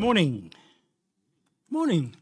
Morning. Morning.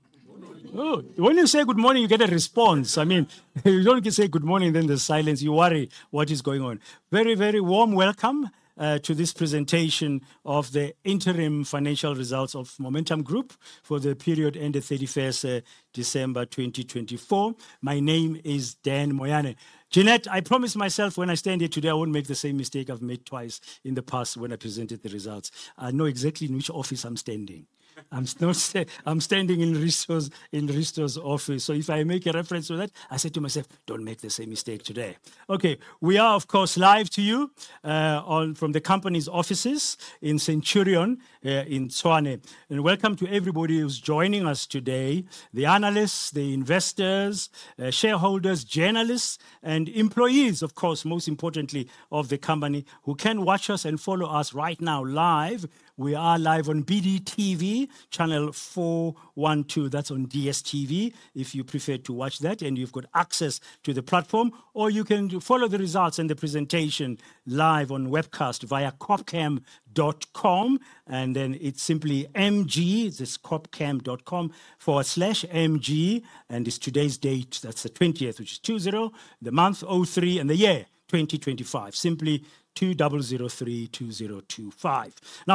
Good morning. When you say good morning, you get a response. I mean, if you don't say good morning, then there's silence. You worry what is going on. Very, very warm welcome to this presentation of the interim financial results of Momentum Group for the period ended 31st December 2024. My name is Dan Moyane. Jeanette, I promised myself when I stand here today I won't make the same mistake I've made twice in the past when I presented the results. I know exactly in which office I'm standing. I'm standing in Risto's office. If I make a reference to that, I said to myself, don't make the same mistake today. Okay, we are, of course, live to you from the company's offices in Centurion in Tshwane. Welcome to everybody who's joining us today, the analysts, the investors, shareholders, journalists, and employees, of course, most importantly, of the company who can watch us and follow us right now live. We are live on BDTV channel 412. That is on DSTV if you prefer to watch that. You have got access to the platform, or you can follow the results and the presentation live on webcast via copcam.com. It is simply MG, that is copcam.com/mg. It is today's date. That is the 20th, which is 20, the month 03, and the year 2025. Simply 20032025.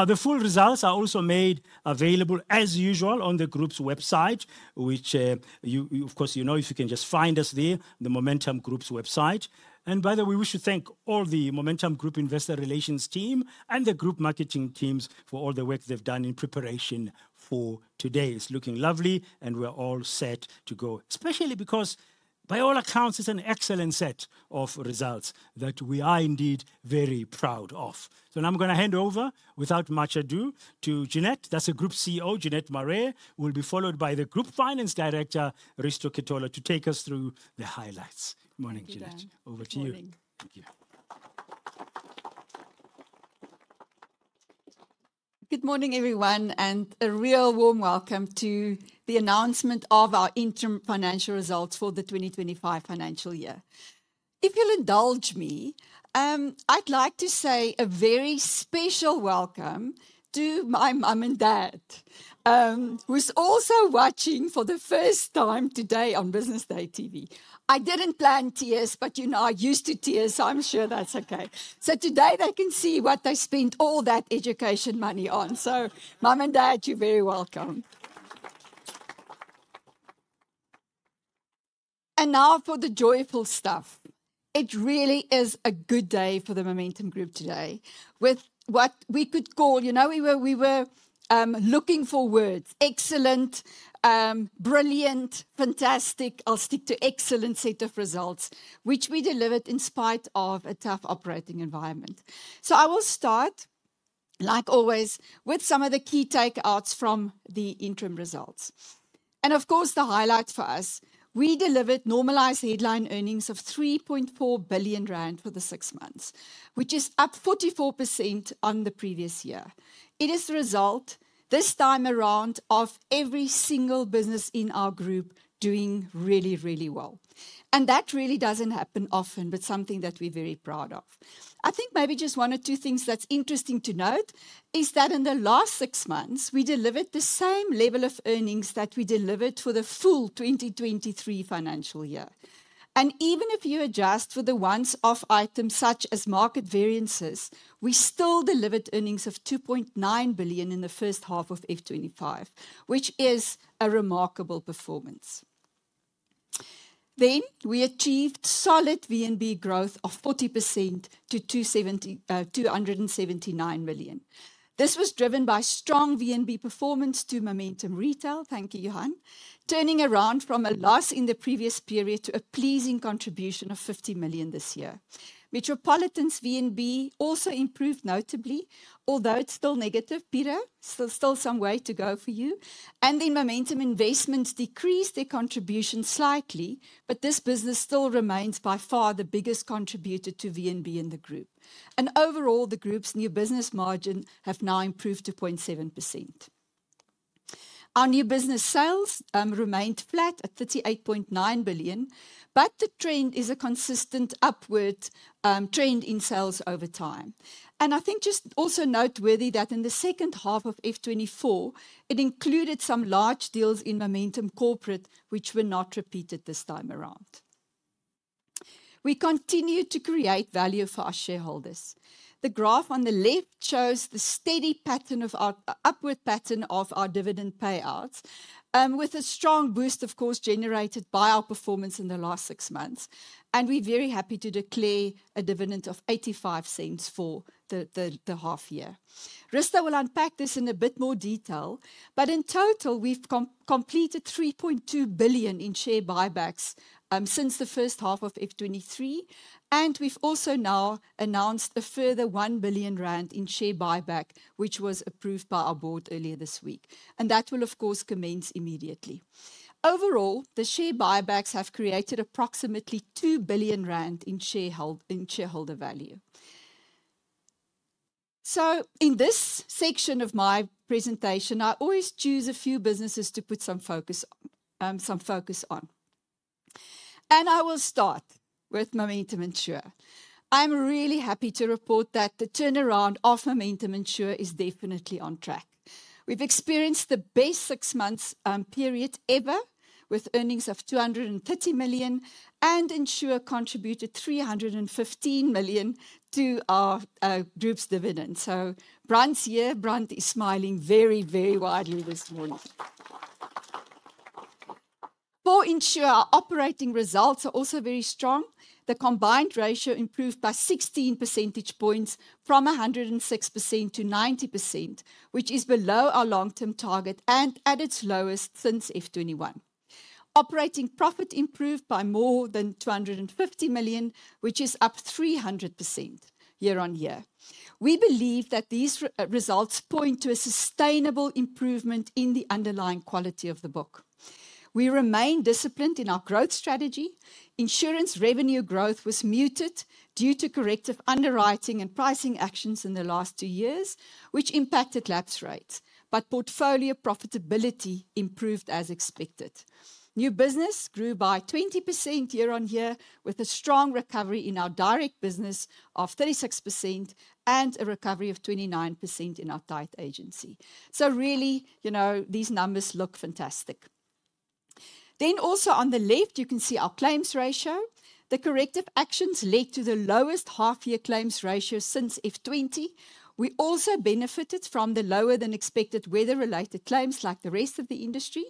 The full results are also made available as usual on the group's website, which, of course, you know if you can just find us there, the Momentum Group's website. By the way, we should thank all the Momentum Group investor relations team and the group marketing teams for all the work they've done in preparation for today. It's looking lovely, and we're all set to go, especially because by all accounts, it's an excellent set of results that we are indeed very proud of. Now I'm going to hand over without much ado to Jeanette. That's the Group CEO, Jeanette Marais, who will be followed by the Group Finance Director, Risto Ketola, to take us through the highlights. Good morning, Jeanette. Over to you. Good morning. Thank you. Good morning, everyone, and a real warm welcome to the announcement of our interim financial results for the 2025 financial year. If you'll indulge me, I'd like to say a very special welcome to my mum and dad, who are also watching for the first time today on Business Day TV. I didn't plan tears, but you know I'm used to tears, so I'm sure that's okay. Today they can see what they spent all that education money on. Mum and dad, you're very welcome. Now for the joyful stuff. It really is a good day for the Momentum Group today with what we could call, you know, we were looking for words: excellent, brilliant, fantastic. I'll stick to excellent set of results, which we delivered in spite of a tough operating environment. I will start, like always, with some of the key takeouts from the interim results. Of course, the highlight for us, we delivered normalized headline earnings of 3.4 billion rand for the six months, which is up 44% on the previous year. It is the result this time around of every single business in our group doing really, really well. That really does not happen often, but something that we are very proud of. I think maybe just one or two things that are interesting to note is that in the last six months, we delivered the same level of earnings that we delivered for the full 2023 financial year. Even if you adjust for the once-off items such as market variances, we still delivered earnings of 2.9 billion in the first half of F2025, which is a remarkable performance. We achieved solid VNB growth of 40% to 279 million. This was driven by strong VNB performance in Momentum Retail. Thank you, Johan. Turning around from a loss in the previous period to a pleasing contribution of 50 million this year. Metropolitan's VNB also improved notably, although it is still negative. Peter, still some way to go for you. Momentum Investments decreased their contribution slightly, but this business still remains by far the biggest contributor to VNB in the group. Overall, the group's new business margin has now improved to 0.7%. Our new business sales remained flat at 38.9 billion, but the trend is a consistent upward trend in sales over time. I think just also noteworthy that in the second half of financial 2024, it included some large deals in Momentum Corporate, which were not repeated this time around. We continue to create value for our shareholders. The graph on the left shows the steady pattern of our upward pattern of our dividend payouts, with a strong boost, of course, generated by our performance in the last six months. We are very happy to declare a dividend of 85 for the half year. Risto will unpack this in a bit more detail, but in total, we have completed 3.2 billion in share buybacks since the first half of 2023. We have also now announced a further 1 billion rand in share buyback, which was approved by our board earlier this week. That will, of course, commence immediately. Overall, the share buybacks have created approximately 2 billion rand in shareholder value. In this section of my presentation, I always choose a few businesses to put some focus on. I will start with Momentum Insure. I'm really happy to report that the turnaround of Momentum Insure is definitely on track. We've experienced the best six-month period ever, with earnings of 230 million, and Insure contributed 315 million to our group's dividends. Brand is smiling very, very widely this morning. For Insure, our operating results are also very strong. The combined ratio improved by 16 percentage points from 106% to 90%, which is below our long-term target and at its lowest since F2021. Operating profit improved by more than 250 million, which is up 300% year-on-year. We believe that these results point to a sustainable improvement in the underlying quality of the book. We remain disciplined in our growth strategy. Insurance revenue growth was muted due to corrective underwriting and pricing actions in the last two years, which impacted lapse rates, but portfolio profitability improved as expected. New business grew by 20% year-on-year, with a strong recovery in our direct business of 36% and a recovery of 29% in our tied agency. You know, these numbers look fantastic. Also on the left, you can see our claims ratio. The corrective actions led to the lowest half-year claims ratio since 2020. We also benefited from the lower-than-expected weather-related claims like the rest of the industry.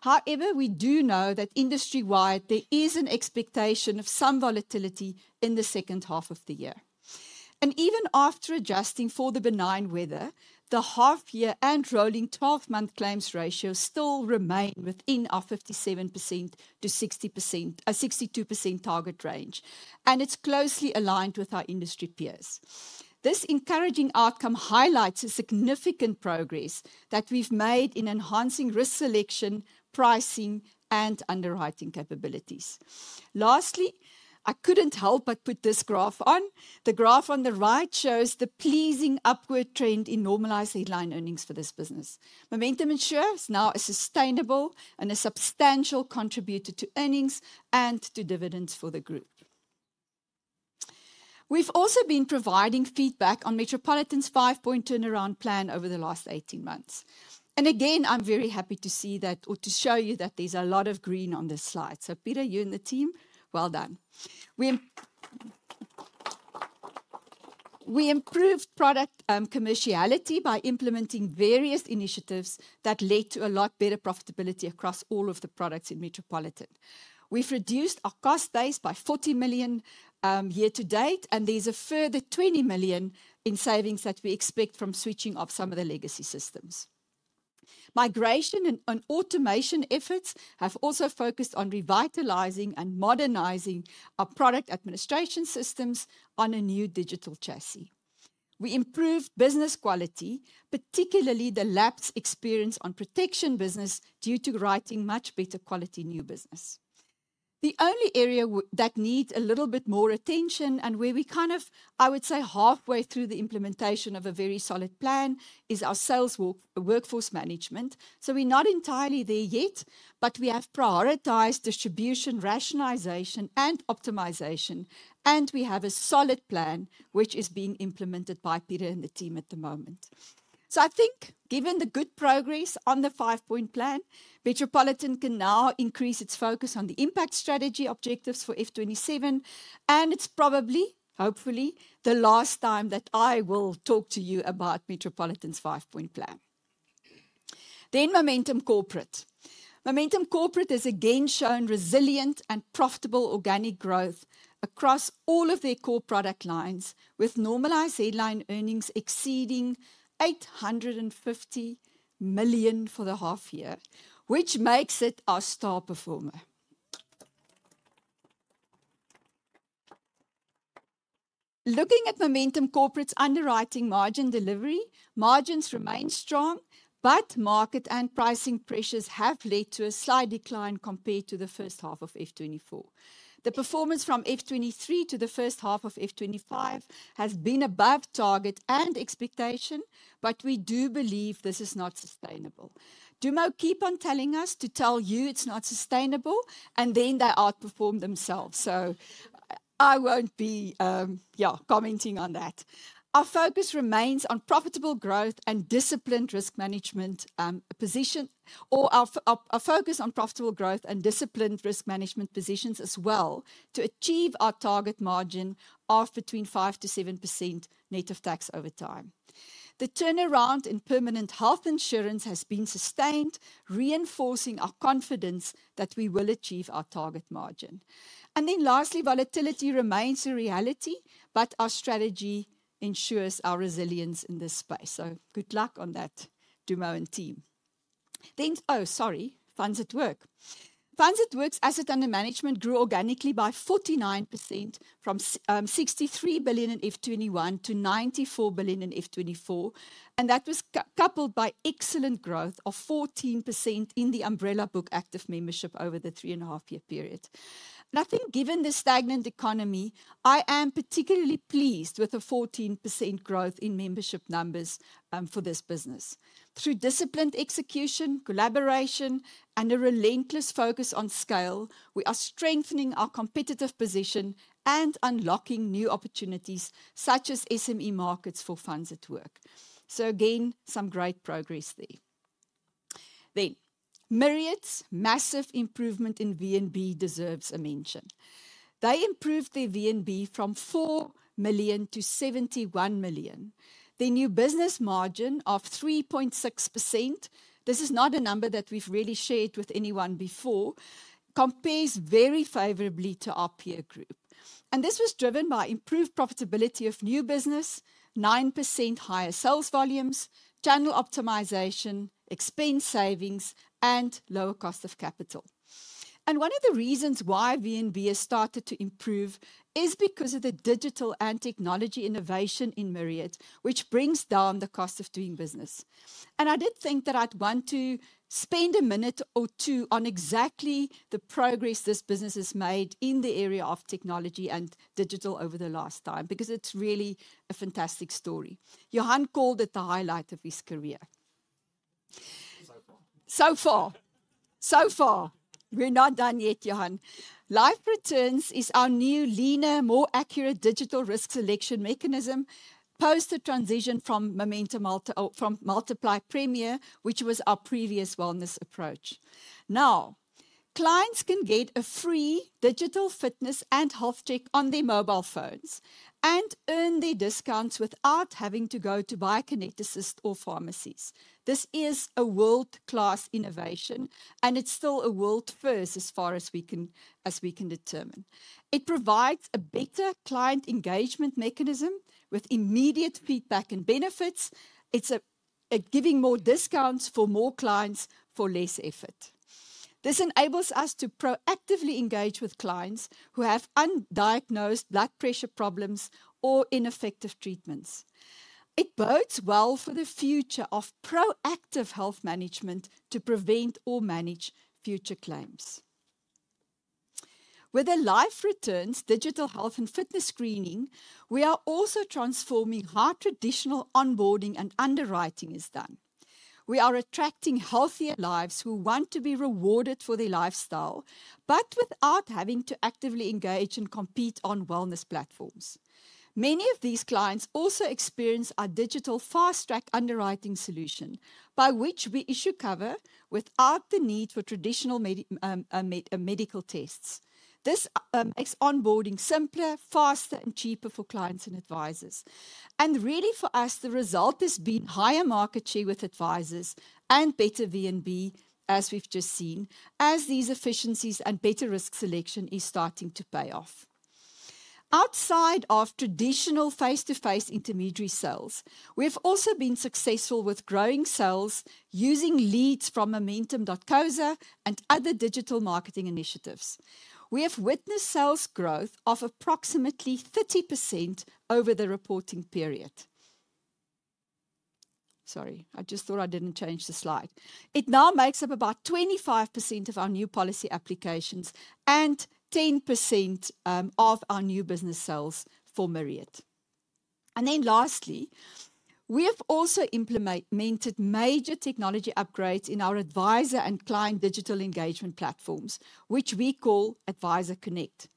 However, we do know that industry-wide, there is an expectation of some volatility in the second half of the year. Even after adjusting for the benign weather, the half-year and rolling 12-month claims ratio still remain within our 57%-62% target range, and it is closely aligned with our industry peers. This encouraging outcome highlights the significant progress that we have made in enhancing risk selection, pricing, and underwriting capabilities. Lastly, I could not help but put this graph on. The graph on the right shows the pleasing upward trend in normalized headline earnings for this business. Momentum Insure is now a sustainable and a substantial contributor to earnings and to dividends for the group. We have also been providing feedback on Metropolitan's five-point turnaround plan over the last 18 months. I am very happy to see that or to show you that there is a lot of green on this slide. Peter, you and the team, well done. We improved product commerciality by implementing various initiatives that led to a lot better profitability across all of the products in Metropolitan. We have reduced our cost base by 40 million year to date, and there is a further 20 million in savings that we expect from switching off some of the legacy systems. Migration and automation efforts have also focused on revitalizing and modernizing our product administration systems on a new digital chassis. We improved business quality, particularly the lapse experience on protection business due to writing much better quality new business. The only area that needs a little bit more attention and where we kind of, I would say, halfway through the implementation of a very solid plan is our sales workforce management. We are not entirely there yet, but we have prioritized distribution, rationalization, and optimization, and we have a solid plan which is being implemented by Peter and the team at the moment. I think given the good progress on the five-point plan, Metropolitan can now increase its focus on the impact strategy objectives for F2027, and it is probably, hopefully, the last time that I will talk to you about Metropolitan's five-point plan. Momentum Corporate. Momentum Corporate has again shown resilient and profitable organic growth across all of their core product lines, with normalized headline earnings exceeding 850 million for the half year, which makes it our star performer. Looking at Momentum Corporate's underwriting margin delivery, margins remain strong, but market and pricing pressures have led to a slight decline compared to the first half of 2024. The performance from 2023 to the first half of 2025 has been above target and expectation, but we do believe this is not sustainable. Dumo keep on telling us to tell you it's not sustainable, and then they outperform themselves. I won't be, yeah, commenting on that. Our focus remains on profitable growth and disciplined risk management position, or our focus on profitable growth and disciplined risk management positions as well to achieve our target margin of between 5% to 7% net of tax over time. The turnaround in permanent health insurance has been sustained, reinforcing our confidence that we will achieve our target margin. Lastly, volatility remains a reality, but our strategy ensures our resilience in this space. Good luck on that, Dumo and team. Oh, sorry, funds at work. Funds at work, asset under management grew organically by 49% from 63 billion in 2021 to 94 billion in 2024, and that was coupled by excellent growth of 14% in the umbrella book active membership over the three and a half year period. Given the stagnant economy, I am particularly pleased with the 14% growth in membership numbers for this business. Through disciplined execution, collaboration, and a relentless focus on scale, we are strengthening our competitive position and unlocking new opportunities such as SME markets for funds at work. Again, some great progress there. Myriad's massive improvement in VNB deserves a mention. They improved their VNB from 4 million to 71 million. Their new business margin of 3.6%, this is not a number that we've really shared with anyone before, compares very favorably to our peer group. This was driven by improved profitability of new business, 9% higher sales volumes, channel optimization, expense savings, and lower cost of capital. One of the reasons why VNB has started to improve is because of the digital and technology innovation in Myriad, which brings down the cost of doing business. I did think that I'd want to spend a minute or two on exactly the progress this business has made in the area of technology and digital over the last time, because it's really a fantastic story. Johan called it the highlight of his career. So far. So far. So far. We're not done yet, Johan. LifeReturns is our new leaner, more accurate digital risk selection mechanism post the transition from Momentum Multiply Premier, which was our previous wellness approach. Now, clients can get a free digital fitness and health check on their mobile phones and earn their discounts without having to go to BioConnect Assist or pharmacies. This is a world-class innovation, and it's still a world first as far as we can determine. It provides a better client engagement mechanism with immediate feedback and benefits. It's giving more discounts for more clients for less effort. This enables us to proactively engage with clients who have undiagnosed blood pressure problems or ineffective treatments. It bodes well for the future of proactive health management to prevent or manage future claims. With the LifeReturns digital health and fitness screening, we are also transforming how traditional onboarding and underwriting is done. We are attracting healthier lives who want to be rewarded for their lifestyle, but without having to actively engage and compete on wellness platforms. Many of these clients also experience our digital fast-track underwriting solution, by which we issue cover without the need for traditional medical tests. This makes onboarding simpler, faster, and cheaper for clients and advisors. Really, for us, the result has been higher market share with advisors and better VNB, as we've just seen, as these efficiencies and better risk selection are starting to pay off. Outside of traditional face-to-face intermediary sales, we have also been successful with growing sales using leads from momentum.co.za and other digital marketing initiatives. We have witnessed sales growth of approximately 30% over the reporting period. Sorry, I just thought I didn't change the slide. It now makes up about 25% of our new policy applications and 10% of our new business sales for Myriad. Lastly, we have also implemented major technology upgrades in our advisor and client digital engagement platforms, which we call AdviserConnect.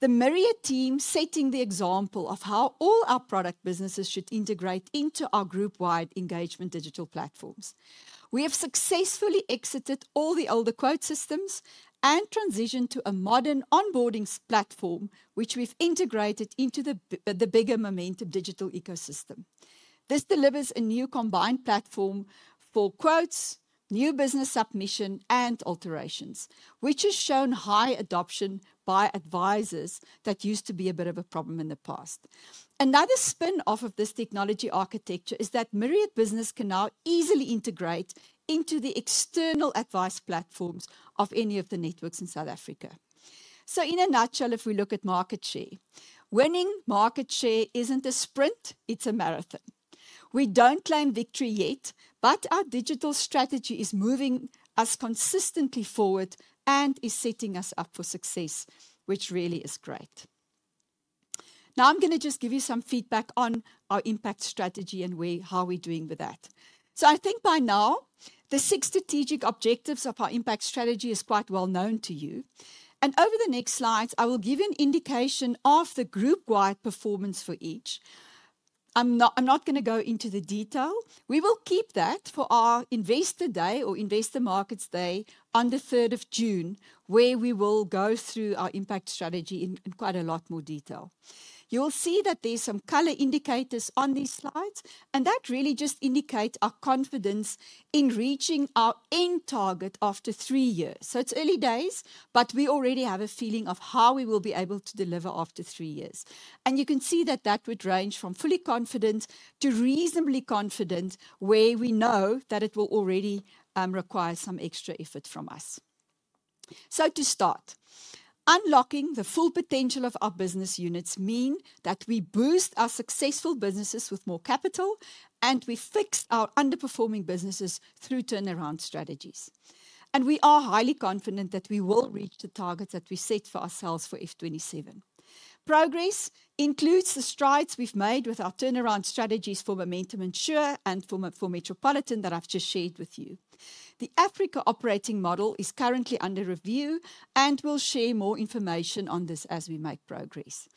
The Myriad team is setting the example of how all our product businesses should integrate into our group-wide engagement digital platforms. We have successfully exited all the older quote systems and transitioned to a modern onboarding platform, which we have integrated into the bigger Momentum digital ecosystem. This delivers a new combined platform for quotes, new business submission, and alterations, which has shown high adoption by advisors that used to be a bit of a problem in the past. Another spin-off of this technology architecture is that Myriad business can now easily integrate into the external advice platforms of any of the networks in South Africa. In a nutshell, if we look at market share, winning market share is not a sprint, it is a marathon. We do not claim victory yet, but our digital strategy is moving us consistently forward and is setting us up for success, which really is great. Now I am going to just give you some feedback on our impact strategy and how we are doing with that. I think by now, the six strategic objectives of our impact strategy are quite well known to you. Over the next slides, I will give you an indication of the group-wide performance for each. I am not going to go into the detail. We will keep that for our Investor Day or Investor Markets Day on the 3rd of June, where we will go through our impact strategy in quite a lot more detail. You will see that there's some color indicators on these slides, and that really just indicates our confidence in reaching our end target after three years. It is early days, but we already have a feeling of how we will be able to deliver after three years. You can see that that would range from fully confident to reasonably confident, where we know that it will already require some extra effort from us. To start, unlocking the full potential of our business units means that we boost our successful businesses with more capital, and we fix our underperforming businesses through turnaround strategies. We are highly confident that we will reach the targets that we set for ourselves for F2027. Progress includes the strides we've made with our turnaround strategies for Momentum Insure and for Metropolitan that I've just shared with you. The Africa operating model is currently under review, and we'll share more information on this as we make progress.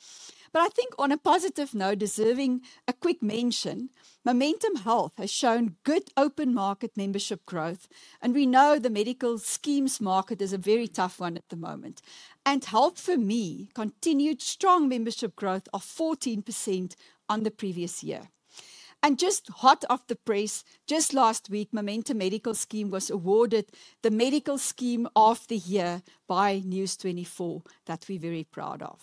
I think on a positive note, deserving a quick mention, Momentum Health has shown good open market membership growth, and we know the medical schemes market is a very tough one at the moment. Health for me continued strong membership growth of 14% on the previous year. Just hot off the press, just last week, Momentum Medical Scheme was awarded the Medical Scheme of the Year by News24, that we're very proud of.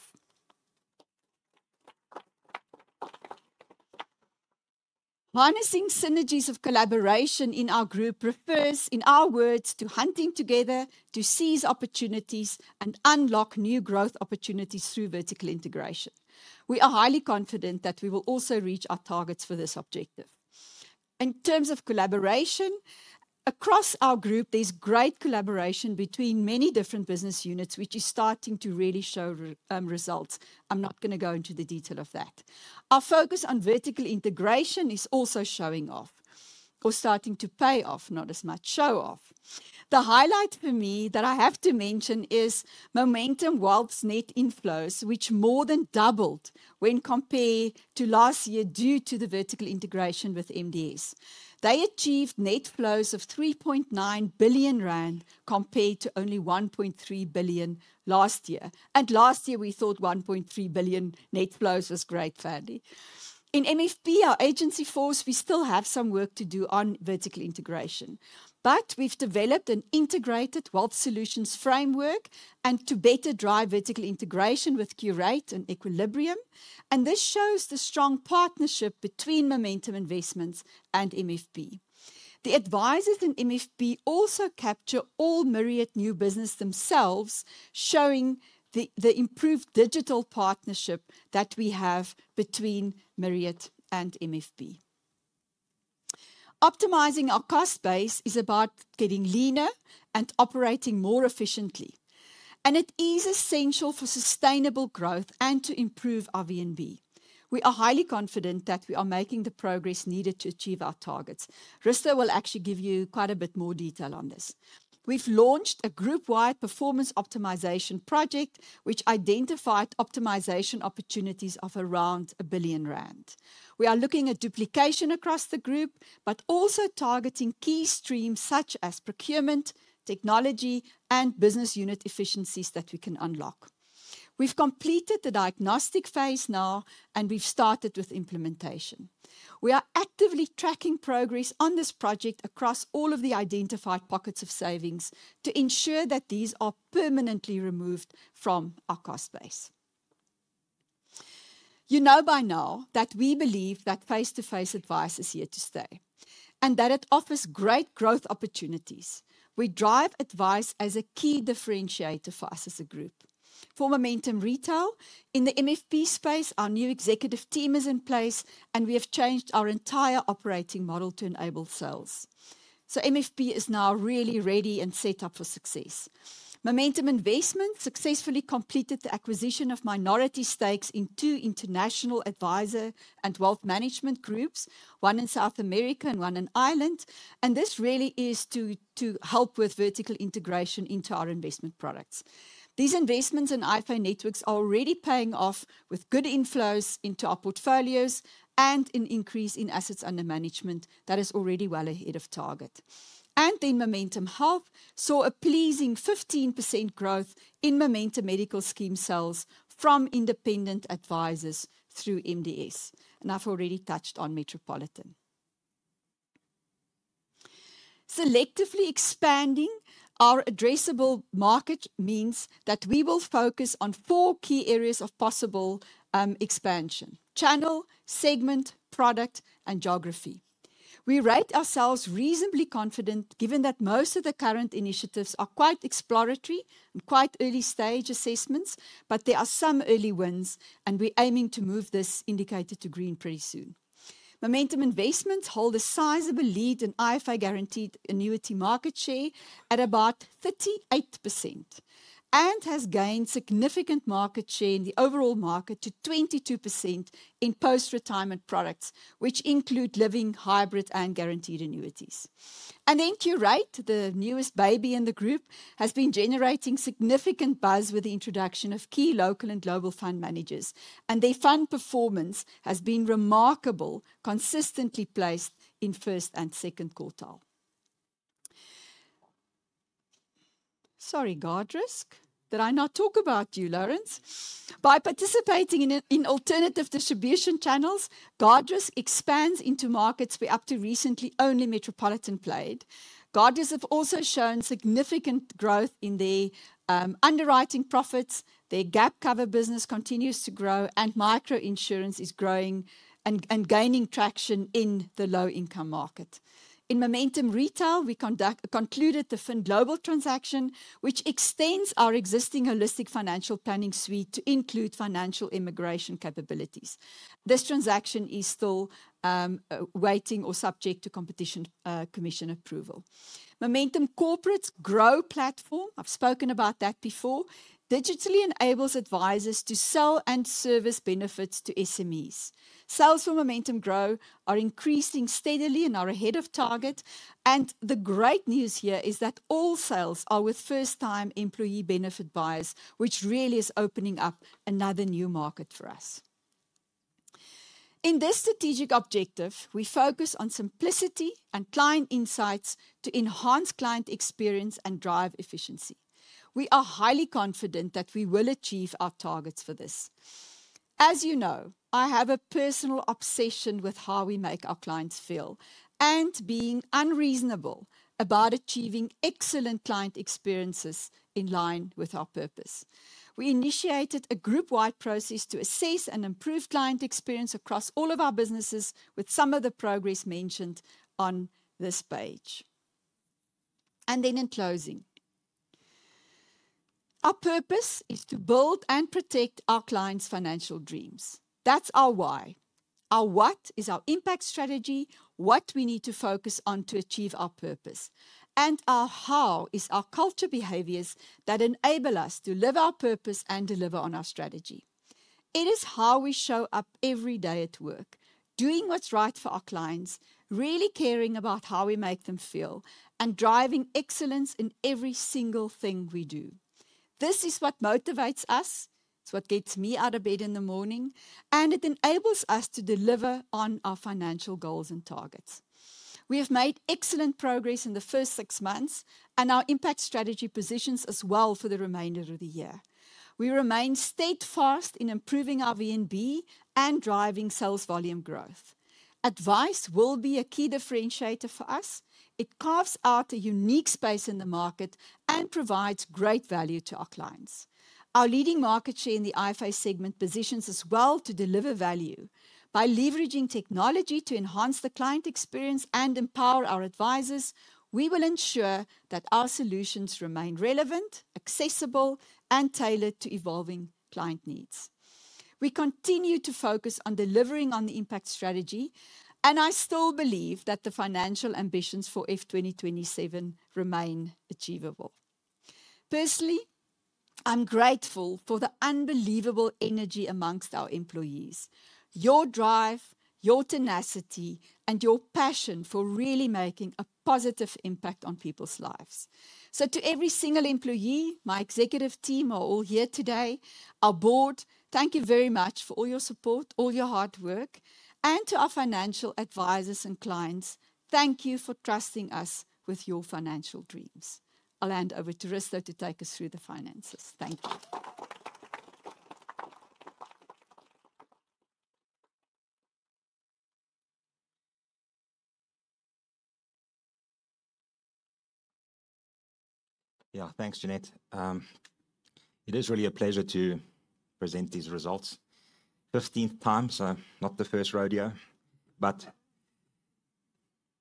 Harnessing synergies of collaboration in our group refers, in our words, to hunting together to seize opportunities and unlock new growth opportunities through vertical integration. We are highly confident that we will also reach our targets for this objective. In terms of collaboration, across our group, there's great collaboration between many different business units, which is starting to really show results. I'm not going to go into the detail of that. Our focus on vertical integration is also showing off or starting to pay off, not as much show off. The highlight for me that I have to mention is Momentum Wealth's net inflows, which more than doubled when compared to last year due to the vertical integration with MDS. They achieved net flows of 3.9 billion rand compared to only 1.3 billion last year. Last year, we thought 1.3 billion net flows was great, Fadi. In MFP, our agency force, we still have some work to do on vertical integration, but we've developed an integrated wealth solutions framework to better drive vertical integration with Curate and Equilibrium. This shows the strong partnership between Momentum Investments and MFP. The advisors in MFP also capture all Myriad new business themselves, showing the improved digital partnership that we have between Myriad and MFP. Optimizing our cost base is about getting leaner and operating more efficiently. It is essential for sustainable growth and to improve our VNB. We are highly confident that we are making the progress needed to achieve our targets. Risto will actually give you quite a bit more detail on this. We have launched a group-wide performance optimization project, which identified optimization opportunities of around 1 billion rand. We are looking at duplication across the group, but also targeting key streams such as procurement, technology, and business unit efficiencies that we can unlock. We have completed the diagnostic phase now, and we have started with implementation. We are actively tracking progress on this project across all of the identified pockets of savings to ensure that these are permanently removed from our cost base. You know by now that we believe that face-to-face advice is here to stay and that it offers great growth opportunities. We drive advice as a key differentiator for us as a group. For Momentum Retail, in the MFP space, our new executive team is in place, and we have changed our entire operating model to enable sales. MFP is now really ready and set up for success. Momentum Investments successfully completed the acquisition of minority stakes in two international advisor and wealth management groups, one in South America and one in Ireland. This really is to help with vertical integration into our investment products. These investments in IFI Networks are already paying off with good inflows into our portfolios and an increase in assets under management that is already well ahead of target. Momentum Health saw a pleasing 15% growth in Momentum Medical Scheme sales from independent advisors through MDS. I have already touched on Metropolitan. Selectively expanding our addressable market means that we will focus on four key areas of possible expansion: channel, segment, product, and geography. We rate ourselves reasonably confident given that most of the current initiatives are quite exploratory and quite early stage assessments, but there are some early wins, and we are aiming to move this indicator to green pretty soon. Momentum Investments hold a sizable lead in IFI guaranteed annuity market share at about 38% and has gained significant market share in the overall market to 22% in post-retirement products, which include living, hybrid, and guaranteed annuities. Curate, the newest baby in the group, has been generating significant buzz with the introduction of key local and global fund managers, and their fund performance has been remarkable, consistently placed in first and second quartile. Sorry, Guardrisk. Did I not talk about you, Lawrence? By participating in alternative distribution channels, Guardrisk expands into markets where up to recently only Metropolitan played. Guardrisk have also shown significant growth in their underwriting profits. Their GapCover business continues to grow, and microinsurance is growing and gaining traction in the low-income market. In Momentum Retail, we concluded the FIN Global transaction, which extends our existing holistic financial planning suite to include financial immigration capabilities. This transaction is still waiting or subject to Competition Commission approval. Momentum Corporate's Grow platform, I've spoken about that before, digitally enables advisors to sell and service benefits to SMEs. Sales for Momentum Grow are increasing steadily and are ahead of target. The great news here is that all sales are with first-time employee benefit buyers, which really is opening up another new market for us. In this strategic objective, we focus on simplicity and client insights to enhance client experience and drive efficiency. We are highly confident that we will achieve our targets for this. As you know, I have a personal obsession with how we make our clients feel and being unreasonable about achieving excellent client experiences in line with our purpose. We initiated a group-wide process to assess and improve client experience across all of our businesses, with some of the progress mentioned on this page. In closing, our purpose is to build and protect our clients' financial dreams. That's our why. Our what is our impact strategy, what we need to focus on to achieve our purpose. Our how is our culture behaviors that enable us to live our purpose and deliver on our strategy. It is how we show up every day at work, doing what's right for our clients, really caring about how we make them feel, and driving excellence in every single thing we do. This is what motivates us. It's what gets me out of bed in the morning, and it enables us to deliver on our financial goals and targets. We have made excellent progress in the first six months, and our impact strategy positions us well for the remainder of the year. We remain steadfast in improving our VNB and driving sales volume growth. Advice will be a key differentiator for us. It carves out a unique space in the market and provides great value to our clients. Our leading market share in the IFI segment positions us well to deliver value. By leveraging technology to enhance the client experience and empower our advisors, we will ensure that our solutions remain relevant, accessible, and tailored to evolving client needs. We continue to focus on delivering on the impact strategy, and I still believe that the financial ambitions for F2027 remain achievable. Personally, I'm grateful for the unbelievable energy amongst our employees, your drive, your tenacity, and your passion for really making a positive impact on people's lives. To every single employee, my executive team are all here today, our board, thank you very much for all your support, all your hard work. To our financial advisors and clients, thank you for trusting us with your financial dreams. I'll hand over to Risto to take us through the finances. Thank you. Yeah, thanks, Jeanette. It is really a pleasure to present these results for the 15th time. Not the first rodeo, but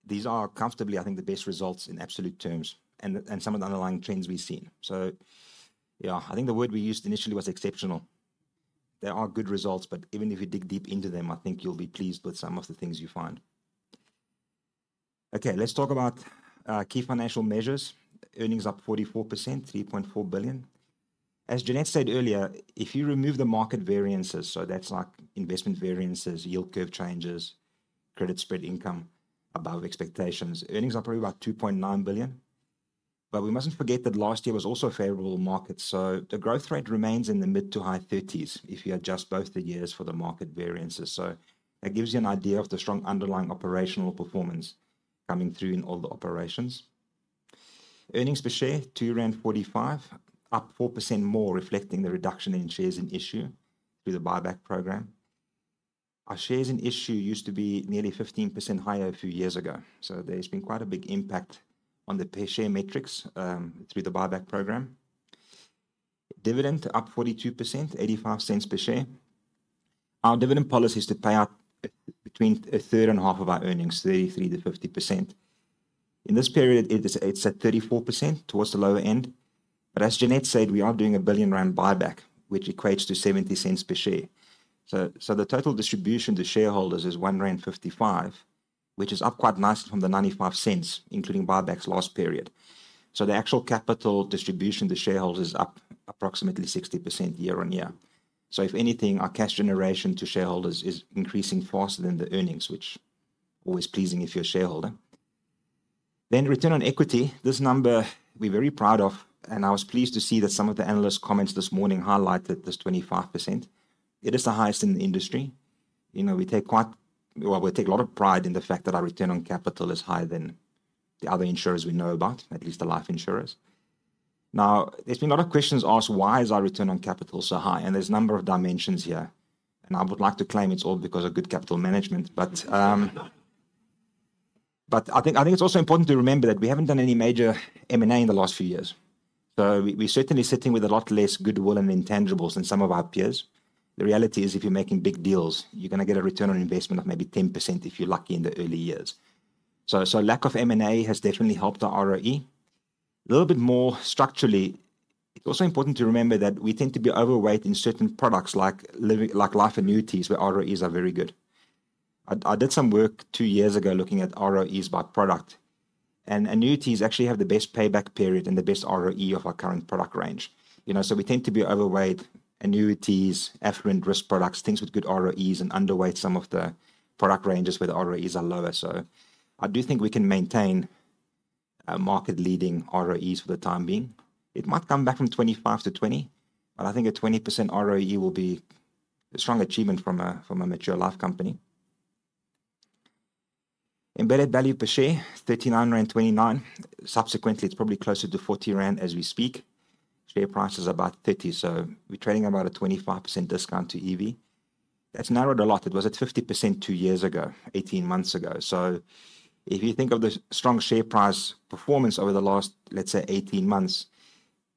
these are comfortably, I think, the best results in absolute terms and some of the underlying trends we've seen. I think the word we used initially was exceptional. There are good results, but even if you dig deep into them, I think you'll be pleased with some of the things you find. Okay, let's talk about key financial measures. Earnings up 44%, 3.4 billion. As Jeanette said earlier, if you remove the market variances, so that's like investment variances, yield curve changes, credit spread income above expectations, earnings are probably about 2.9 billion. We mustn't forget that last year was also a favorable market. The growth rate remains in the mid to high 30% if you adjust both the years for the market variances. That gives you an idea of the strong underlying operational performance coming through in all the operations. Earnings per share, 2.45 rand, up 4% more, reflecting the reduction in shares in issue through the buyback program. Our shares in issue used to be nearly 15% higher a few years ago. There has been quite a big impact on the per share metrics through the buyback program. Dividend up 42%, 0.85 per share. Our dividend policy is to pay out between a third and half of our earnings, 0.33-0.50. In this period, it is at 0.34 towards the lower end. As Jeanette said, we are doing a 1 billion rand buyback, which equates to 0.70 per share. The total distribution to shareholders is 1.55 rand, which is up quite nicely from the 0.95, including buybacks last period. The actual capital distribution to shareholders is up approximately 60% year-on-year. If anything, our cash generation to shareholders is increasing faster than the earnings, which is always pleasing if you're a shareholder. Return on equity, this number we're very proud of. I was pleased to see that some of the analyst comments this morning highlighted this 25%. It is the highest in the industry. You know, we take quite, well, we take a lot of pride in the fact that our return on capital is higher than the other insurers we know about, at least the life insurers. Now, there's been a lot of questions asked, why is our return on capital so high? There's a number of dimensions here. I would like to claim it's all because of good capital management. I think it's also important to remember that we haven't done any major M&A in the last few years. We are certainly sitting with a lot less goodwill and intangibles than some of our peers. The reality is, if you're making big deals, you're going to get a return on investment of maybe 10% if you're lucky in the early years. Lack of M&A has definitely helped our ROE. A little bit more structurally, it's also important to remember that we tend to be overweight in certain products like life annuities, where ROEs are very good. I did some work two years ago looking at ROEs by product, and annuities actually have the best payback period and the best ROE of our current product range. You know, so we tend to be overweight annuities, effluent, risk products, things with good ROEs, and underweight some of the product ranges where the ROEs are lower. I do think we can maintain market-leading ROEs for the time being. It might come back from 25 to 20, but I think a 20% ROE will be a strong achievement from a mature life company. Embedded value per share, 39.29 rand. Subsequently, it's probably closer to 40 rand as we speak. Share price is about 30, so we're trading about a 25% discount to EV. That's narrowed a lot. It was at 50% two years ago, 18 months ago. If you think of the strong share price performance over the last, let's say, 18 months,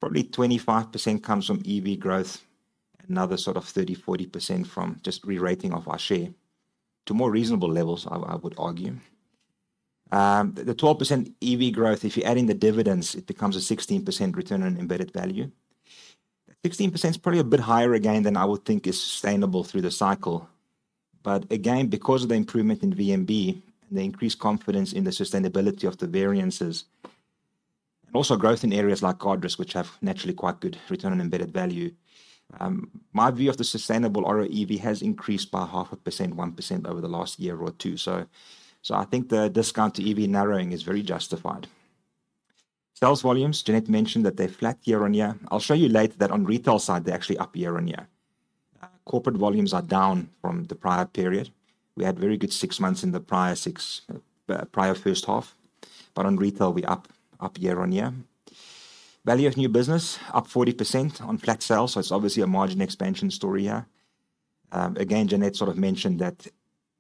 probably 25% comes from EV growth, another sort of 30%-40% from just re-rating of our share to more reasonable levels, I would argue. The 12% EV growth, if you're adding the dividends, it becomes a 16% return on embedded value. That 16% is probably a bit higher again than I would think is sustainable through the cycle. Again, because of the improvement in VNB and the increased confidence in the sustainability of the variances and also growth in areas like Guardrisk, which have naturally quite good return on embedded value, my view of the sustainable ROE EV has increased by half a percent, 1% over the last year or two. I think the discount to EV narrowing is very justified. Sales volumes, Jeanette mentioned that they're flat year-on-year. I'll show you later that on retail side, they're actually up year-on-year. Corporate volumes are down from the prior period. We had very good six months in the prior six prior first half, but on retail, we're up up year-on-year. Value of new business, up 40% on flat sales. It is obviously a margin expansion story here. Again, Jeanette sort of mentioned that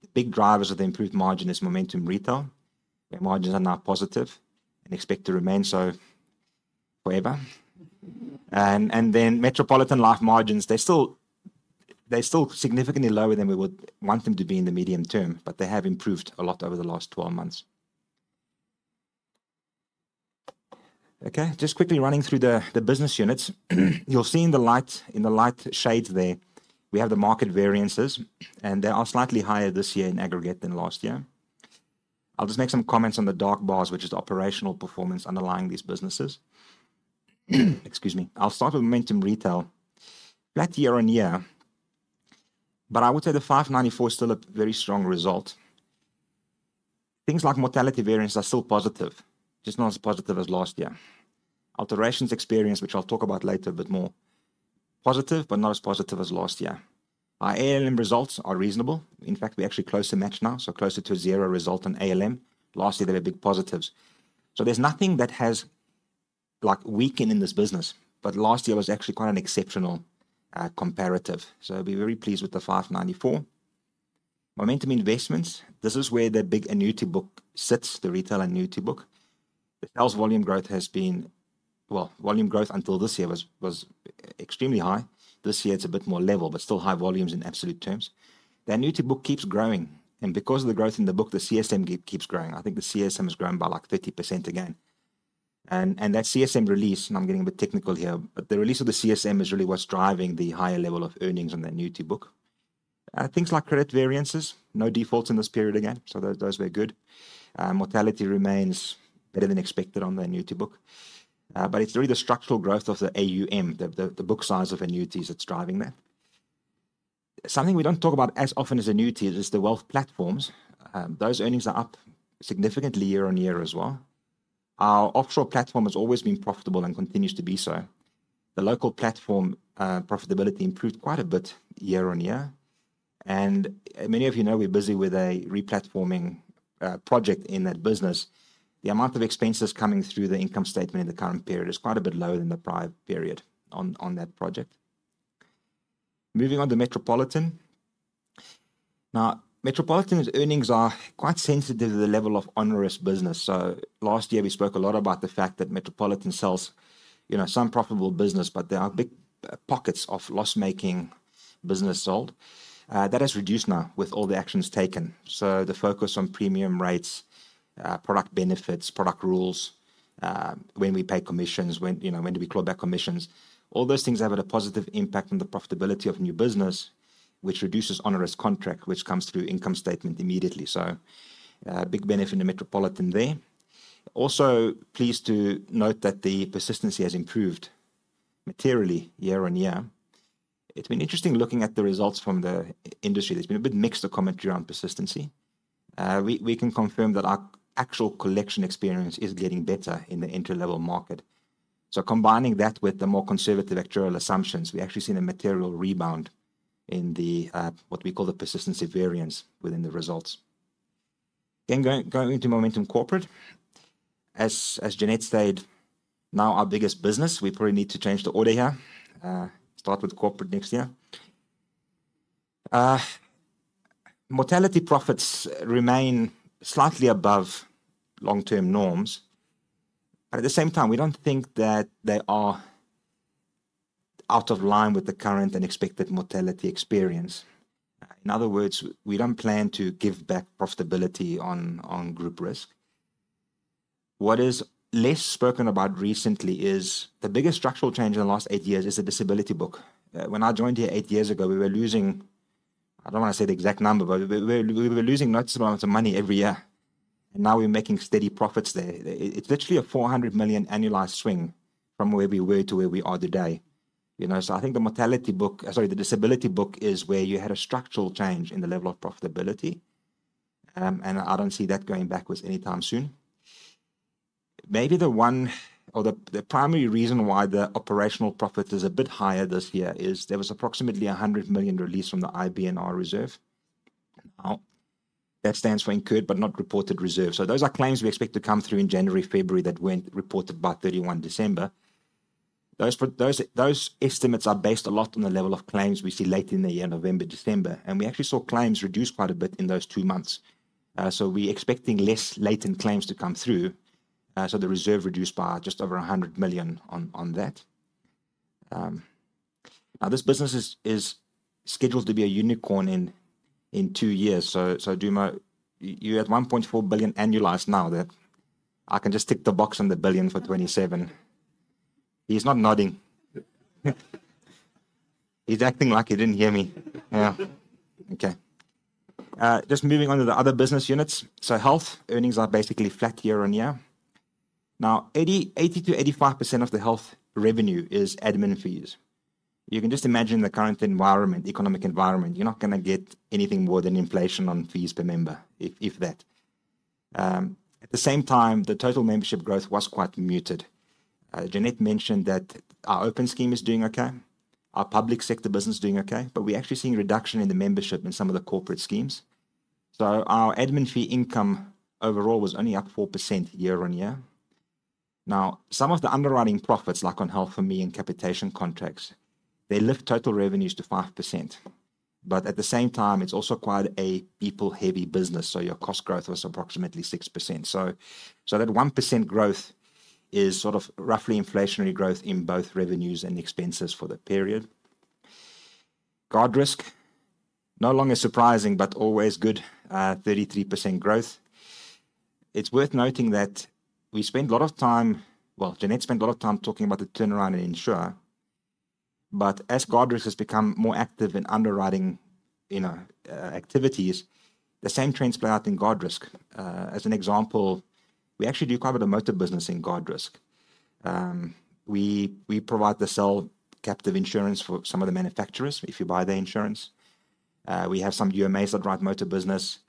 the big drivers of the improved margin is Momentum Retail. Their margins are now positive and expect to remain so forever. Metropolitan Life margins, they're still significantly lower than we would want them to be in the medium term, but they have improved a lot over the last 12 months. Okay, just quickly running through the business units. You'll see in the light in the light shades there, we have the market variances, and they are slightly higher this year in aggregate than last year. I'll just make some comments on the dark bars, which is the operational performance underlying these businesses. Excuse me. I'll start with Momentum Retail, flat year-on-year, but I would say the 594 million is still a very strong result. Things like mortality variance are still positive, just not as positive as last year. Alterations experience, which I'll talk about later a bit more, positive, but not as positive as last year. Our ALM results are reasonable. In fact, we're actually close to match now, so closer to a zero result on ALM. Last year, there were big positives. There is nothing that has like weakened in this business, but last year was actually quite an exceptional comparative. We are very pleased with the 594 million. Momentum Investments, this is where the big annuity book sits, the retail annuity book. The sales volume growth has been, volume growth until this year was extremely high. This year, it's a bit more level, but still high volumes in absolute terms. The annuity book keeps growing, and because of the growth in the book, the CSM keeps growing. I think the CSM has grown by like 30% again. That CSM release, and I'm getting a bit technical here, but the release of the CSM is really what's driving the higher level of earnings on the annuity book. Things like credit variances, no defaults in this period again, so those were good. Mortality remains better than expected on the annuity book, but it's really the structural growth of the AUM, the book size of annuities that's driving that. Something we don't talk about as often as annuities is the wealth platforms. Those earnings are up significantly year-on-year as well. Our offshore platform has always been profitable and continues to be so. The local platform profitability improved quite a bit year-on-year. Many of you know we're busy with a replatforming project in that business. The amount of expenses coming through the income statement in the current period is quite a bit lower than the prior period on that project. Moving on to Metropolitan. Metropolitan's earnings are quite sensitive to the level of onerous business. Last year, we spoke a lot about the fact that Metropolitan sells, you know, some profitable business, but there are big pockets of loss-making business sold. That has reduced now with all the actions taken. The focus on premium rates, product benefits, product rules, when we pay commissions, when you know, when do we claw back commissions, all those things have a positive impact on the profitability of new business, which reduces onerous contract, which comes through income statement immediately. A big benefit in the Metropolitan there. Also pleased to note that the persistency has improved materially year-on-year. It's been interesting looking at the results from the industry. There's been a bit mixed of commentary around persistency. We can confirm that our actual collection experience is getting better in the entry-level market. Combining that with the more conservative actuarial assumptions, we actually see a material rebound in what we call the persistency variance within the results. Going into Momentum Corporate, as Jeanette said, now our biggest business, we probably need to change the order here, start with corporate next year. Mortality profits remain slightly above long-term norms. At the same time, we don't think that they are out of line with the current and expected mortality experience. In other words, we don't plan to give back profitability on group risk. What is less spoken about recently is the biggest structural change in the last eight years is the disability book. When I joined here eight years ago, we were losing, I don't want to say the exact number, but we were losing noticeable amounts of money every year. Now we're making steady profits there. It's literally a 400 million annualized swing from where we were to where we are today. You know, I think the mortality book, sorry, the disability book is where you had a structural change in the level of profitability. I don't see that going backwards anytime soon. Maybe the one or the primary reason why the operational profit is a bit higher this year is there was approximately 100 million released from the IBNR reserve. That stands for incurred but not reported reserve. Those are claims we expect to come through in January, February that were not reported by 31 December. Those estimates are based a lot on the level of claims we see late in the year, November, December. We actually saw claims reduce quite a bit in those two months. We are expecting less latent claims to come through. The reserve reduced by just over 100 million on that. This business is scheduled to be a unicorn in two years. Dumo, you are at 1.4 billion annualized now that I can just tick the box on the billion for 2027. He is not nodding. He is acting like he did not hear me. Yeah. Okay. Just moving on to the other business units. Health earnings are basically flat year-on-year. Now, 80%-85% of the health revenue is admin fees. You can just imagine the current environment, economic environment. You're not going to get anything more than inflation on fees per member, if that. At the same time, the total membership growth was quite muted. Jeanette mentioned that our open scheme is doing okay, our public sector business is doing okay, but we're actually seeing a reduction in the membership in some of the corporate schemes. So our admin fee income overall was only up 4% year-on-year. Now, some of the underwriting profits, like on health, for me and capitation contracts, they lift total revenues to 5%. At the same time, it's also quite a people-heavy business. Your cost growth was approximately 6%. That 1% growth is sort of roughly inflationary growth in both revenues and expenses for the period. Guardrisk, no longer surprising, but always good 33% growth. It's worth noting that we spend a lot of time, Jeanette spent a lot of time talking about the turnaround in Insure. As Guardrisk has become more active in underwriting activities, the same trends play out in Guardrisk. As an example, we actually do quite a bit of motor business in Guardrisk. We provide the sale captive insurance for some of the manufacturers if you buy their insurance. We have some UMAs that write motor business.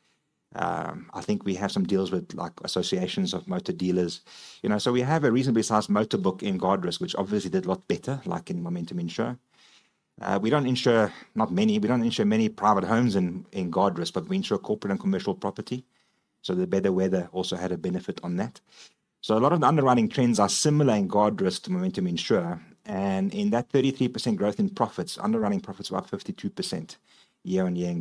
I think we have some deals with associations of motor dealers. You know, we have a reasonably sized motor book in Guardrisk, which obviously did a lot better, like in Momentum Insure. We do not insure many private homes in Guardrisk, but we insure corporate and commercial property. The better weather also had a benefit on that. A lot of the underwriting trends are similar in Guardrisk to Momentum Insure. In that 33% growth in profits, underwriting profits were up 52% year-on-year in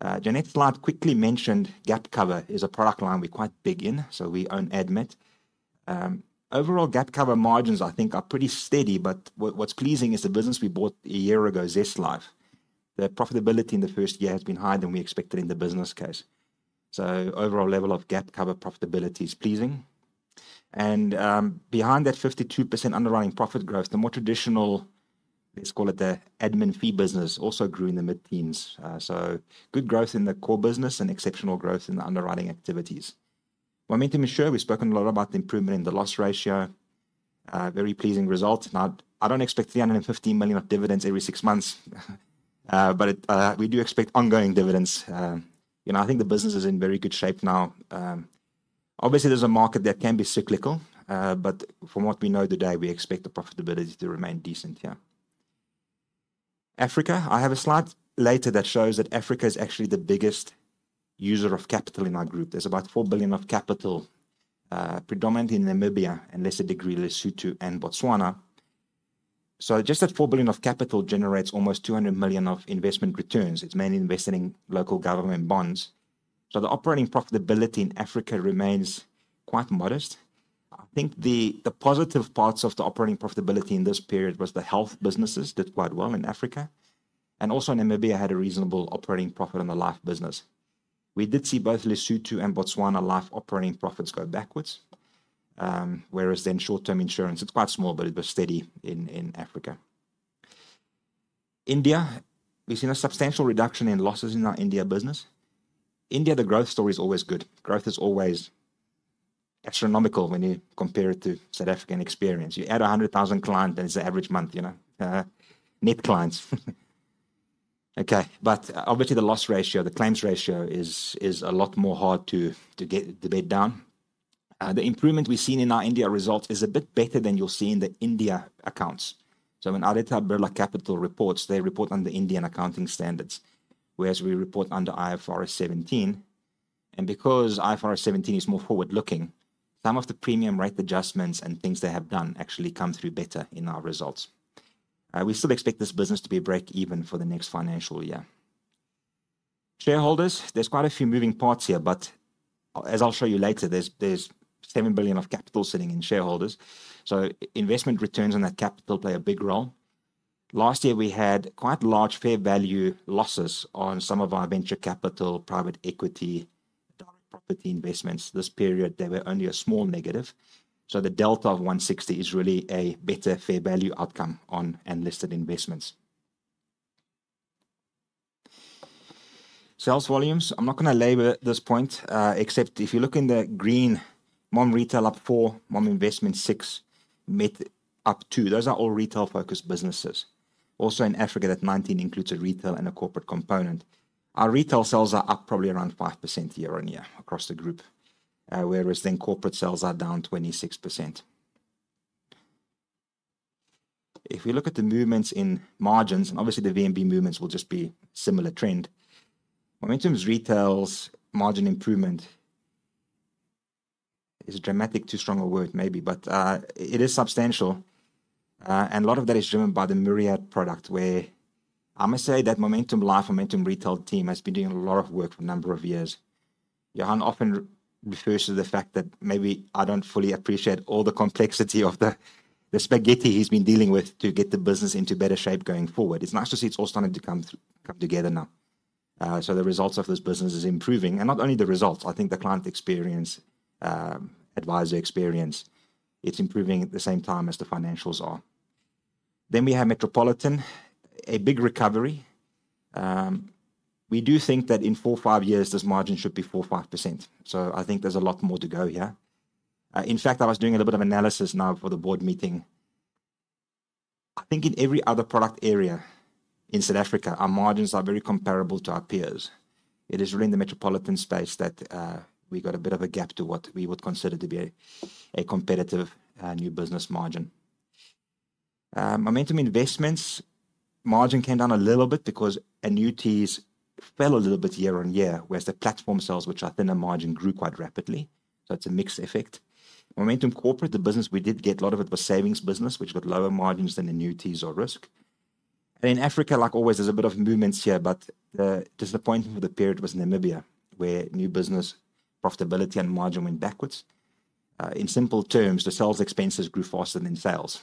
Guardrisk. Jeanette's slide quickly mentioned GapCover is a product line we're quite big in. We own ADMET. Overall, GapCover margins, I think, are pretty steady. What's pleasing is the business we bought a year ago, Zestlife. The profitability in the first year has been higher than we expected in the business case. Overall level of GapCover profitability is pleasing. Behind that 52% underwriting profit growth, the more traditional, let's call it the admin fee business, also grew in the mid-teens. Good growth in the core business and exceptional growth in the underwriting activities. Momentum Insure, we've spoken a lot about the improvement in the loss ratio. Very pleasing results. Now, I don't expect 315 million of dividends every six months, but we do expect ongoing dividends. You know, I think the business is in very good shape now. Obviously, there's a market that can be cyclical, but from what we know today, we expect the profitability to remain decent here. Africa, I have a slide later that shows that Africa is actually the biggest user of capital in our group. There's about 4 billion of capital, predominantly in Namibia and lesser degree Lesotho and Botswana. Just that 4 billion of capital generates almost 200 million of investment returns. It's mainly invested in local government bonds. The operating profitability in Africa remains quite modest. I think the positive parts of the operating profitability in this period was the health businesses did quite well in Africa. Also, Namibia had a reasonable operating profit on the life business. We did see both Lesotho and Botswana life operating profits go backwards, whereas short-term insurance, it's quite small, but it was steady in Africa. India, we've seen a substantial reduction in losses in our India business. India, the growth story is always good. Growth is always astronomical when you compare it to South African experience. You add 100,000 clients and it's an average month, you know, net clients. Okay, obviously the loss ratio, the claims ratio is a lot more hard to get the bed down. The improvement we've seen in our India results is a bit better than you'll see in the India accounts. When Aditya Birla Capital reports, they report under Indian accounting standards, whereas we report under IFRS 17. Because IFRS 17 is more forward-looking, some of the premium rate adjustments and things they have done actually come through better in our results. We still expect this business to be break-even for the next financial year. Shareholders, there's quite a few moving parts here, but as I'll show you later, there's 7 billion of capital sitting in shareholders. Investment returns on that capital play a big role. Last year, we had quite large fair value losses on some of our venture capital, private equity, direct property investments. This period, they were only a small negative. The delta of 160 million is really a better fair value outcome on unlisted investments. Sales volumes, I'm not going to label this point, except if you look in the green, mom retail up 4 million, mom investment 6 million, mid up 2 million. Those are all retail-focused businesses. Also in Africa, that 19 million includes a retail and a corporate component. Our retail sales are up probably around 5% year-on-year across the group, whereas then corporate sales are down 26%. If we look at the movements in margins, and obviously the VNB movements will just be a similar trend. Momentum Retail's margin improvement is a dramatic, too strong a word maybe, but it is substantial. And a lot of that is driven by the Myriad product, where I must say that Momentum Life, Momentum Retail team has been doing a lot of work for a number of years. Johan often refers to the fact that maybe I do not fully appreciate all the complexity of the spaghetti he has been dealing with to get the business into better shape going forward. It is nice to see it is all starting to come together now. The results of this business is improving. Not only the results, I think the client experience, advisor experience, it's improving at the same time as the financials are. We have Metropolitan, a big recovery. We do think that in four-five years, this margin should be ZAR 4%-5%. I think there's a lot more to go here. In fact, I was doing a little bit of analysis now for the board meeting. I think in every other product area in South Africa, our margins are very comparable to our peers. It is really in the Metropolitan space that we got a bit of a gap to what we would consider to be a competitive new business margin. Momentum Investments, margin came down a little bit because annuities fell a little bit year-on-year, whereas the platform sales, which are thinner margin, grew quite rapidly. It's a mixed effect. Momentum Corporate, the business we did get a lot of it was savings business, which got lower margins than annuities or risk. In Africa, like always, there's a bit of movements here, but the disappointment for the period was Namibia, where new business profitability and margin went backwards. In simple terms, the sales expenses grew faster than sales.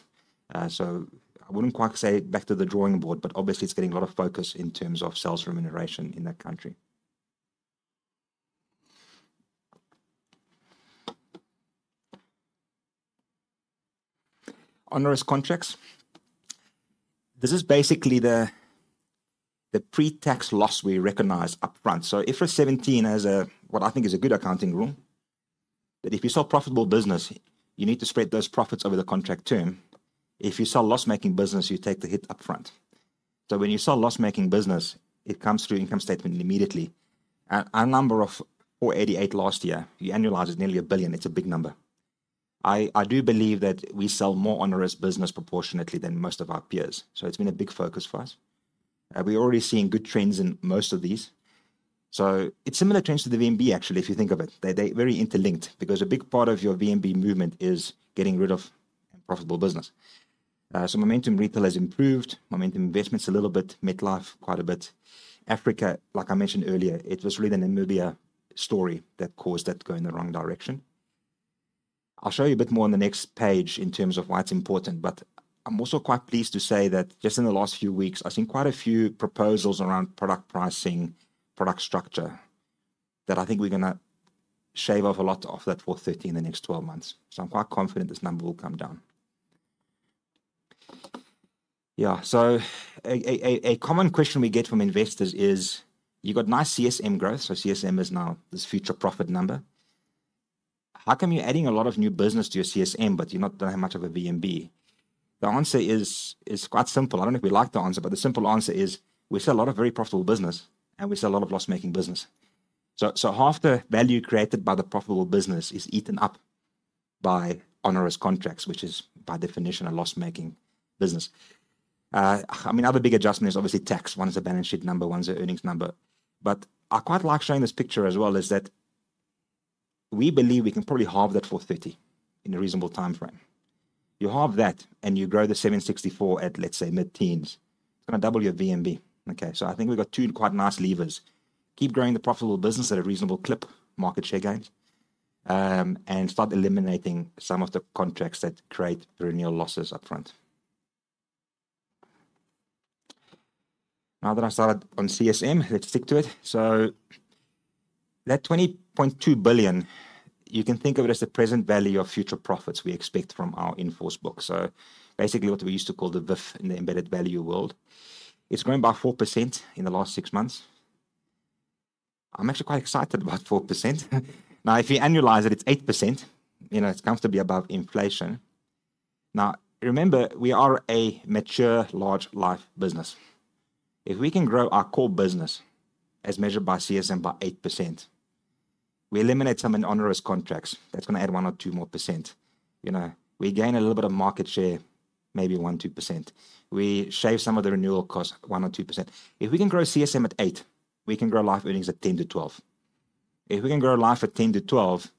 I would not quite say back to the drawing board, but obviously it's getting a lot of focus in terms of sales remuneration in that country. Onerous contracts. This is basically the pre-tax loss we recognize upfront. IFRS 17 has a, what I think is a good accounting rule, that if you sell profitable business, you need to spread those profits over the contract term. If you sell loss-making business, you take the hit upfront. When you sell loss-making business, it comes through income statement immediately. Number of 488 million last year, you annualize is nearly 1 billion. It's a big number. I do believe that we sell more onerous business proportionately than most of our peers. It's been a big focus for us. We're already seeing good trends in most of these. It's similar trends to the VNB, actually, if you think of it. They're very interlinked because a big part of your VNB movement is getting rid of profitable business. Momentum Retail has improved. Momentum Investments a little bit, mid-life quite a bit. Africa, like I mentioned earlier, it was really the Namibia story that caused that to go in the wrong direction. I'll show you a bit more on the next page in terms of why it's important, but I'm also quite pleased to say that just in the last few weeks, I've seen quite a few proposals around product pricing, product structure that I think we're going to shave off a lot of that 430 in the next 12 months. I'm quite confident this number will come down. A common question we get from investors is, you've got nice CSM growth. CSM is now this future profit number. How come you're adding a lot of new business to your CSM, but you're not doing much of a VNB? The answer is quite simple. I don't know if we like the answer, but the simple answer is we sell a lot of very profitable business and we sell a lot of loss-making business. Half the value created by the profitable business is eaten up by onerous contracts, which is by definition a loss-making business. I mean, other big adjustment is obviously tax. One is a balance sheet number, one is an earnings number. I quite like showing this picture as well, is that we believe we can probably halve that 430 in a reasonable time frame. You halve that and you grow the 764 at, let's say, mid-teens, it's going to double your VNB. Okay, I think we've got two quite nice levers. Keep growing the profitable business at a reasonable clip, market share gains, and start eliminating some of the contracts that create perennial losses upfront. Now that I started on CSM, let's stick to it. That 20.2 billion, you can think of it as the present value of future profits we expect from our inforce book. Basically what we used to call the VIF in the embedded value world, it's grown by 4% in the last six months. I'm actually quite excited about 4%. Now, if you annualize it, it's 8%. You know, it's comfortably above inflation. Now, remember, we are a mature large life business. If we can grow our core business as measured by CSM by 8%, we eliminate some onerous contracts. That's going to add one or two more percent. You know, we gain a little bit of market share, maybe 1%-2%. We shave some of the renewal costs, 1%-2%. If we can grow CSM at 8, we can grow life earnings at 10-12. If we can grow life at 10-12,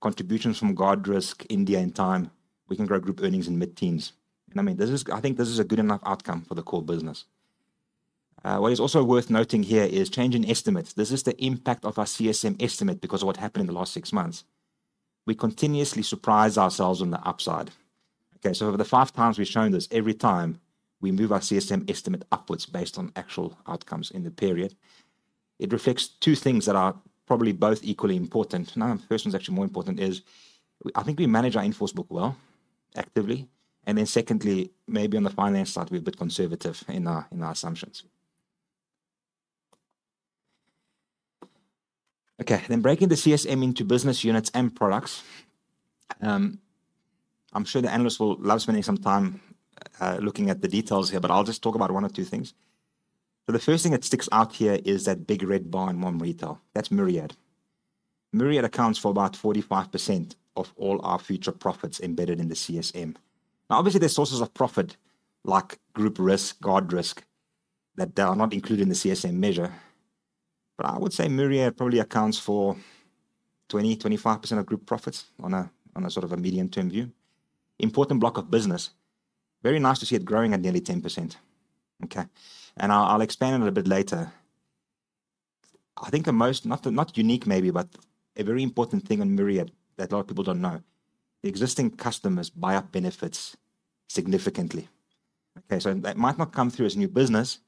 contributions from Guardrisk, India, and time, we can grow group earnings in mid-teens. I mean, this is, I think this is a good enough outcome for the core business. What is also worth noting here is change in estimates. This is the impact of our CSM estimate because of what happened in the last six months. We continuously surprise ourselves on the upside. Okay, for the five times we've shown this, every time we move our CSM estimate upwards based on actual outcomes in the period, it reflects two things that are probably both equally important. Now, the first one's actually more important is I think we manage our inforce book well, actively. And then secondly, maybe on the finance side, we're a bit conservative in our assumptions. Okay, breaking the CSM into business units and products. I'm sure the analysts will love spending some time looking at the details here, but I'll just talk about one or two things. The first thing that sticks out here is that big red bar in Momentum Retail. That's Myriad. Myriad accounts for about 45% of all our future profits embedded in the CSM. Now, obviously, there are sources of profit like group risk, Guardrisk that are not included in the CSM measure, but I would say Myriad probably accounts for 20%-25% of group profits on a sort of a medium-term view. Important block of business. Very nice to see it growing at nearly 10%. Okay, I'll expand a little bit later. I think the most, not unique maybe, but a very important thing on Myriad that a lot of people don't know. The existing customers buy up benefits significantly. Okay, that might not come through as new business,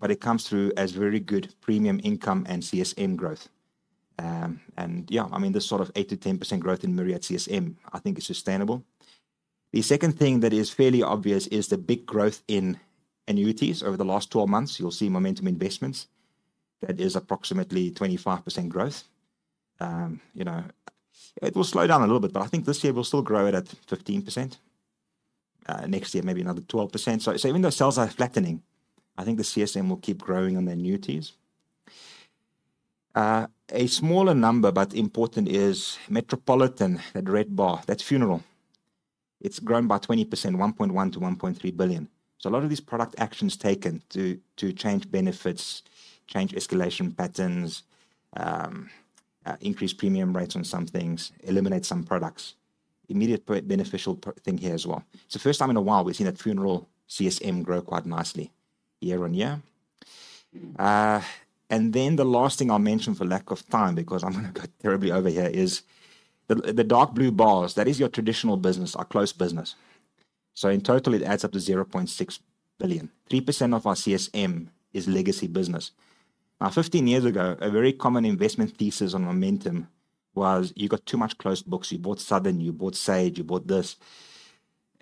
but it comes through as very good premium income and CSM growth. Yeah, I mean, this sort of 8%-10% growth in Myriad CSM, I think it's sustainable. The second thing that is fairly obvious is the big growth in annuities over the last 12 months. You'll see Momentum Investments. That is approximately 25% growth. You know, it will slow down a little bit, but I think this year we'll still grow it at 15%. Next year, maybe another 12%. Even though sales are flattening, I think the CSM will keep growing on the annuities. A smaller number, but important, is Metropolitan, that red bar, that's funeral. It's grown by 20%, 1.1 billion to 1.3 billion. A lot of these product actions taken to change benefits, change escalation patterns, increase premium rates on some things, eliminate some products. Immediate beneficial thing here as well. It's the first time in a while we've seen that funeral CSM grow quite nicely year-on-year. The last thing I'll mention for lack of time, because I'm going to go terribly over here, is the dark blue bars. That is your traditional business, our closed business. In total, it adds up to 0.6 billion. 3% of our CSM is legacy business. Now, 15 years ago, a very common investment thesis on Momentum was you got too much closed books. You bought Southern, you bought Sage, you bought this.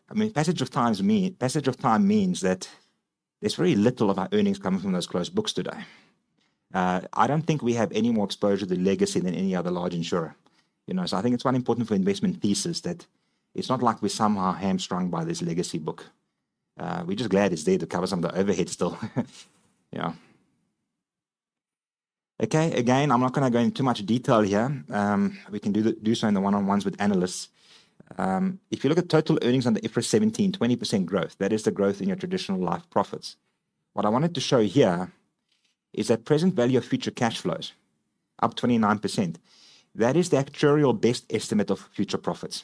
I mean, passage of time means that there's very little of our earnings coming from those closed books today. I do not think we have any more exposure to legacy than any other large insurer. You know, I think it's quite important for investment theses that it's not like we're somehow hamstrung by this legacy book. We're just glad it's there to cover some of the overhead still. Yeah. Okay, again, I'm not going to go into too much detail here. We can do so in the one-on-ones with analysts. If you look at total earnings under IFRS 17, 20% growth, that is the growth in your traditional life profits. What I wanted to show here is that present value of future cash flows, up 29%. That is the actuarial best estimate of future profits.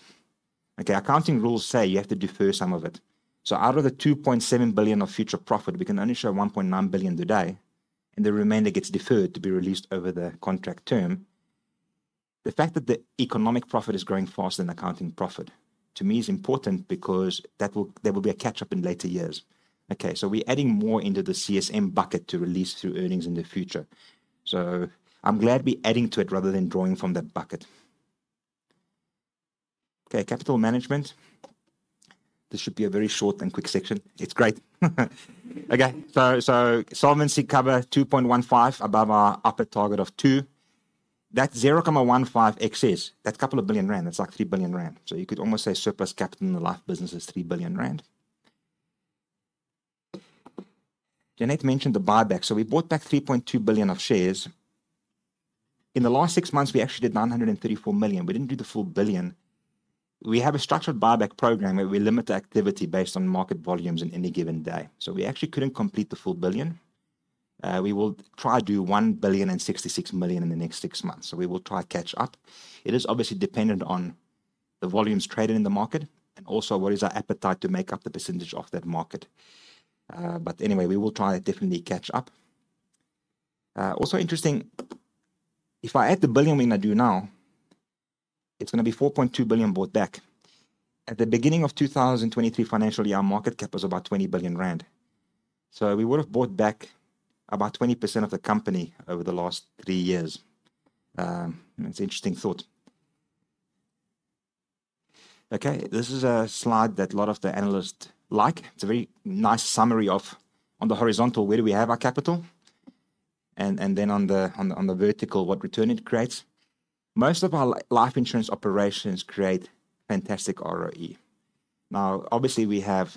Okay, accounting rules say you have to defer some of it. So out of the 2.7 billion of future profit, we can only show 1.9 billion today, and the remainder gets deferred to be released over the contract term. The fact that the economic profit is growing faster than accounting profit, to me, is important because that will be a catch-up in later years. Okay, so we're adding more into the CSM bucket to release through earnings in the future. I'm glad we're adding to it rather than drawing from that bucket. Okay, capital management. This should be a very short and quick section. It's great. Okay, so solvency cover 2.15 above our upper target of 2. That 0.15 excess, that couple of billion rand, that's like 3 billion rand. You could almost say surplus capital in the life business is 3 billion rand. Jeanette mentioned the buyback. We bought back 3.2 billion of shares. In the last six months, we actually did 934 million. We didn't do the full billion. We have a structured buyback program where we limit the activity based on market volumes in any given day. We actually couldn't complete the full billion. We will try to do 1.66 billion in the next six months. We will try to catch up. It is obviously dependent on the volumes traded in the market and also what is our appetite to make up the percentage of that market. Anyway, we will try to definitely catch up. Also interesting, if I add the billion we're going to do now, it's going to be 4.2 billion bought back. At the beginning of the 2023 financial year, our market cap was about 20 billion rand. We would have bought back about 20% of the company over the last three years. It's an interesting thought. This is a slide that a lot of the analysts like. It's a very nice summary of, on the horizontal, where do we have our capital? Then on the vertical, what return it creates? Most of our life insurance operations create fantastic ROE. Now, obviously, we have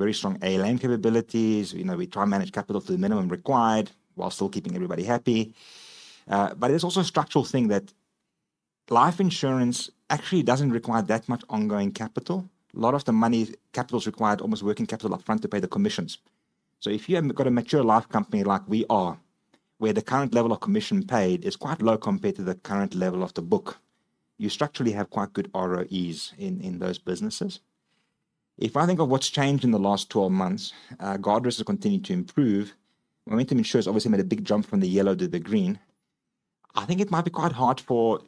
very strong ALM capabilities. You know, we try to manage capital to the minimum required while still keeping everybody happy. It is also a structural thing that life insurance actually doesn't require that much ongoing capital. A lot of the money capital is required, almost working capital upfront to pay the commissions. If you have got a mature life company like we are, where the current level of commission paid is quite low compared to the current level of the book, you structurally have quite good ROEs in those businesses. If I think of what's changed in the last 12 months, Guardrisk has continued to improve. Momentum Insure obviously made a big jump from the yellow to the green. I think it might be quite hard for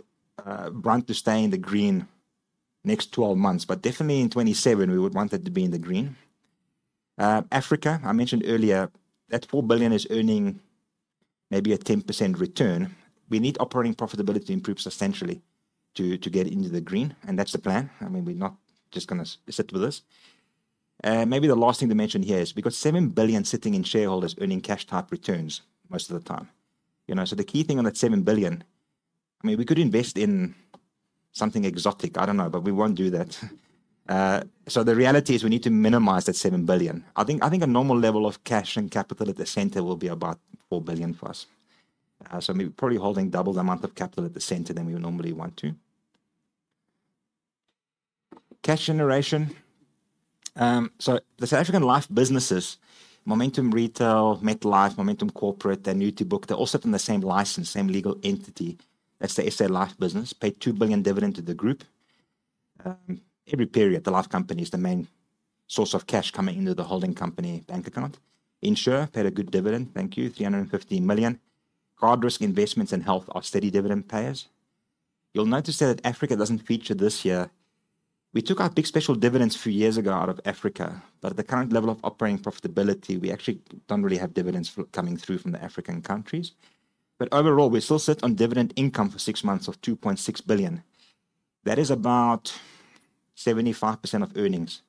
Brunt to stay in the green next 12 months, but definitely in 2027, we would want it to be in the green. Africa, I mentioned earlier, that 4 billion is earning maybe a 10% return. We need operating profitability to improve substantially to get into the green. That is the plan. I mean, we're not just going to sit with this. Maybe the last thing to mention here is we've got 7 billion sitting in shareholders earning cash type returns most of the time. You know, the key thing on that 7 billion, I mean, we could invest in something exotic. I don't know, but we won't do that. The reality is we need to minimize that 7 billion. I think a normal level of cash and capital at the center will be about 4 billion for us. Maybe probably holding double the amount of capital at the center than we would normally want to. Cash generation. The South African life businesses, Momentum Retail, Metropolitan Life, Momentum Corporate, their annuity book, they're all set on the same license, same legal entity. That's the SA Life Business, paid 2 billion dividend to the group. Every period, the life company is the main source of cash coming into the holding company bank account. Insure paid a good dividend. Thank you. 350 million. Guardrisk, Investments, and Health are steady dividend payers. You'll notice that Africa doesn't feature this year. We took our big special dividends a few years ago out of Africa, but at the current level of operating profitability, we actually don't really have dividends coming through from the African countries. Overall, we're still set on dividend income for six months of 2.6 billion. That is about 75% of earnings.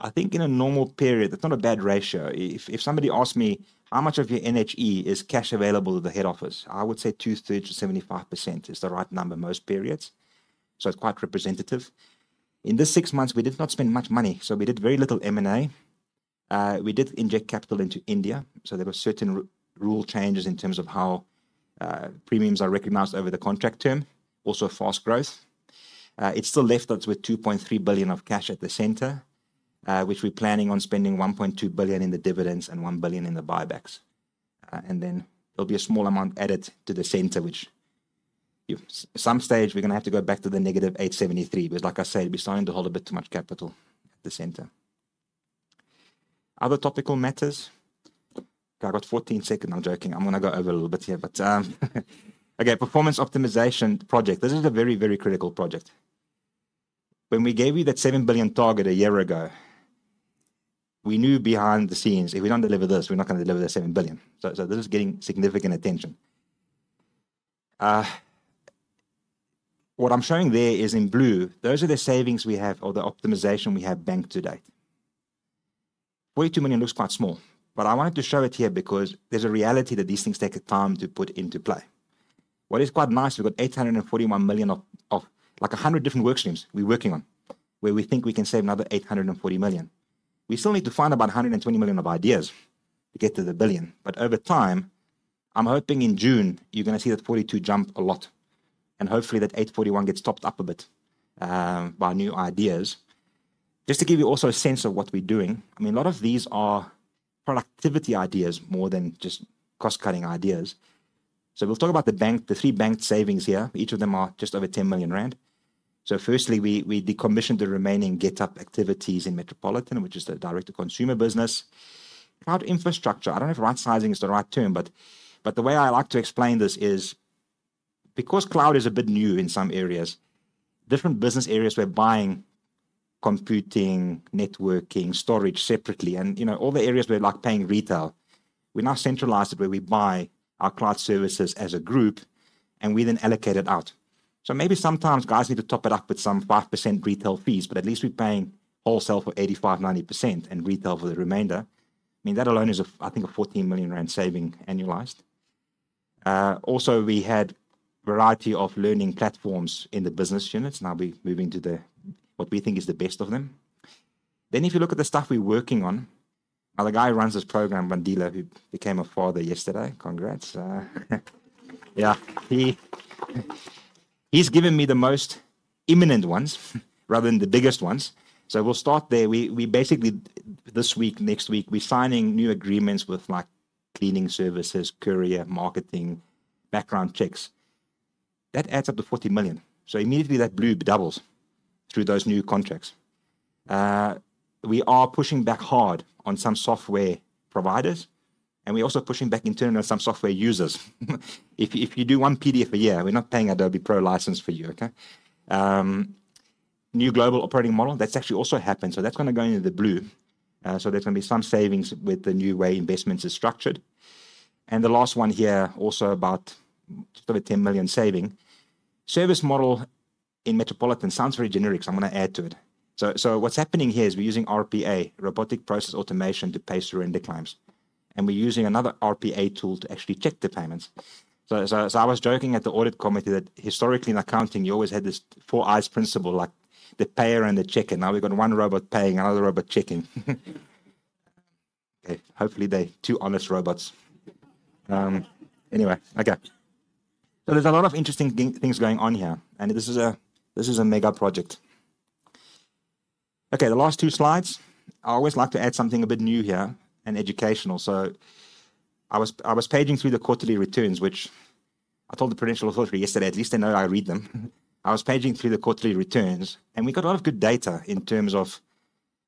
I think in a normal period, that's not a bad ratio. If somebody asked me how much of your NHE is cash available at the head office, I would say 2.3 billion to 75% is the right number most periods. It is quite representative. In this six months, we did not spend much money, so we did very little M&A. We did inject capital into India. There were certain rule changes in terms of how premiums are recognized over the contract term. Also fast growth. It still left us with 2.3 billion of cash at the center, which we are planning on spending 1.2 billion in the dividends and 1 billion in the buybacks. There will be a small amount added to the center, which at some stage we are going to have to go back to the negative 873 million, because like I said, we are starting to hold a bit too much capital at the center. Other topical matters. I got 14 seconds. I'm joking. I'm going to go over a little bit here, but okay, performance optimization project. This is a very, very critical project. When we gave you that 7 billion target a year ago, we knew behind the scenes, if we do not deliver this, we are not going to deliver the 7 billion. This is getting significant attention. What I am showing there is in blue. Those are the savings we have or the optimization we have banked to date. ZAR 42 million looks quite small, but I wanted to show it here because there is a reality that these things take time to put into play. What is quite nice, we have 841 million of like 100 different workstreams we are working on, where we think we can save another 840 million. We still need to find about 120 million of ideas to get to the billion. Over time, I'm hoping in June, you're going to see that 42 jump a lot. Hopefully that 841 gets topped up a bit by new ideas. Just to give you also a sense of what we're doing, I mean, a lot of these are productivity ideas more than just cost-cutting ideas. We'll talk about the bank, the three banked savings here. Each of them are just over 10 million rand. Firstly, we decommissioned the remaining GetUp activities in Metropolitan, which is the direct-to-consumer business. Cloud infrastructure, I don't know if right-sizing is the right term, but the way I like to explain this is because cloud is a bit new in some areas, different business areas were buying computing, networking, storage separately. You know, all the areas where like paying retail, we now centralize it where we buy our cloud services as a group, and we then allocate it out. Maybe sometimes guys need to top it up with some 5% retail fees, but at least we're paying wholesale for 85%-90% and retail for the remainder. I mean, that alone is, I think, a 14 million rand saving annualized. Also, we had a variety of learning platforms in the business units. Now we're moving to what we think is the best of them. If you look at the stuff we're working on now, the guy who runs this program, Randila, who became a father yesterday, congrats. Yeah, he's given me the most imminent ones rather than the biggest ones. We'll start there. We basically, this week, next week, we're signing new agreements with like cleaning services, courier, marketing, background checks. That adds up to 40 million. Immediately that blue doubles through those new contracts. We are pushing back hard on some software providers, and we're also pushing back internal some software users. If you do one PDF a year, we're not paying Adobe Pro license for you, okay? New global operating model, that's actually also happened. That is going to go into the blue. There are going to be some savings with the new way investments are structured. The last one here, also about just over 10 million saving. Service model in Metropolitan sounds very generic. I'm going to add to it. What's happening here is we're using RPA, Robotic Process Automation, to pay through render climbs. We're using another RPA tool to actually check the payments. I was joking at the audit committee that historically in accounting, you always had this four eyes principle, like the payer and the checker. Now we've got one robot paying, another robot checking. Okay, hopefully they're two honest robots. Anyway, there's a lot of interesting things going on here. This is a mega project. The last two slides. I always like to add something a bit new here and educational. I was paging through the quarterly returns, which I told the Prudential Authority yesterday, at least they know I read them. I was paging through the quarterly returns, and we got a lot of good data in terms of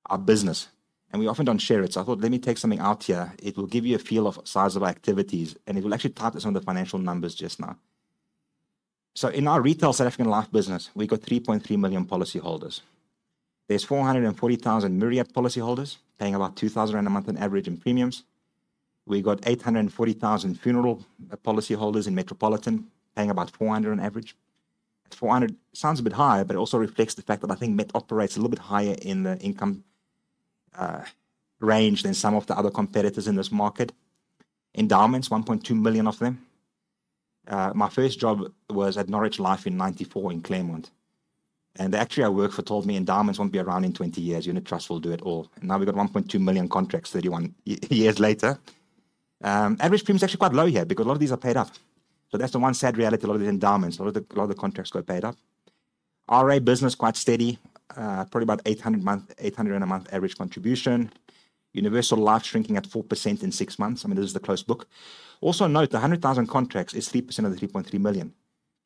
our business. We often don't share it. I thought, let me take something out here. It will give you a feel of size of our activities, and it will actually tie to some of the financial numbers just now. In our retail South African life business, we have got 3.3 million policyholders. There are 440,000 Myriad policyholders paying about 2,000 rand a month on average in premiums. We have got 840,000 funeral policyholders in Metropolitan paying about 400 on average. 400 sounds a bit high, but it also reflects the fact that I think Metropolitan operates a little bit higher in the income range than some of the other competitors in this market. Endowments, 1.2 million of them. My first job was at Norwich Life in 1994 in Claymont. Actually, our workforce told me endowments would not be around in 20 years. Unit trust would do it all. Now we have got 1.2 million contracts 31 years later. Average premiums are actually quite low here because a lot of these are paid up. That is the one sad reality. A lot of these endowments, a lot of the contracts got paid up. RA business quite steady, probably about 800 a month average contribution. Universal life shrinking at 4% in six months. I mean, this is the closed book. Also note, the 100,000 contracts is 3% of the 3.3 million.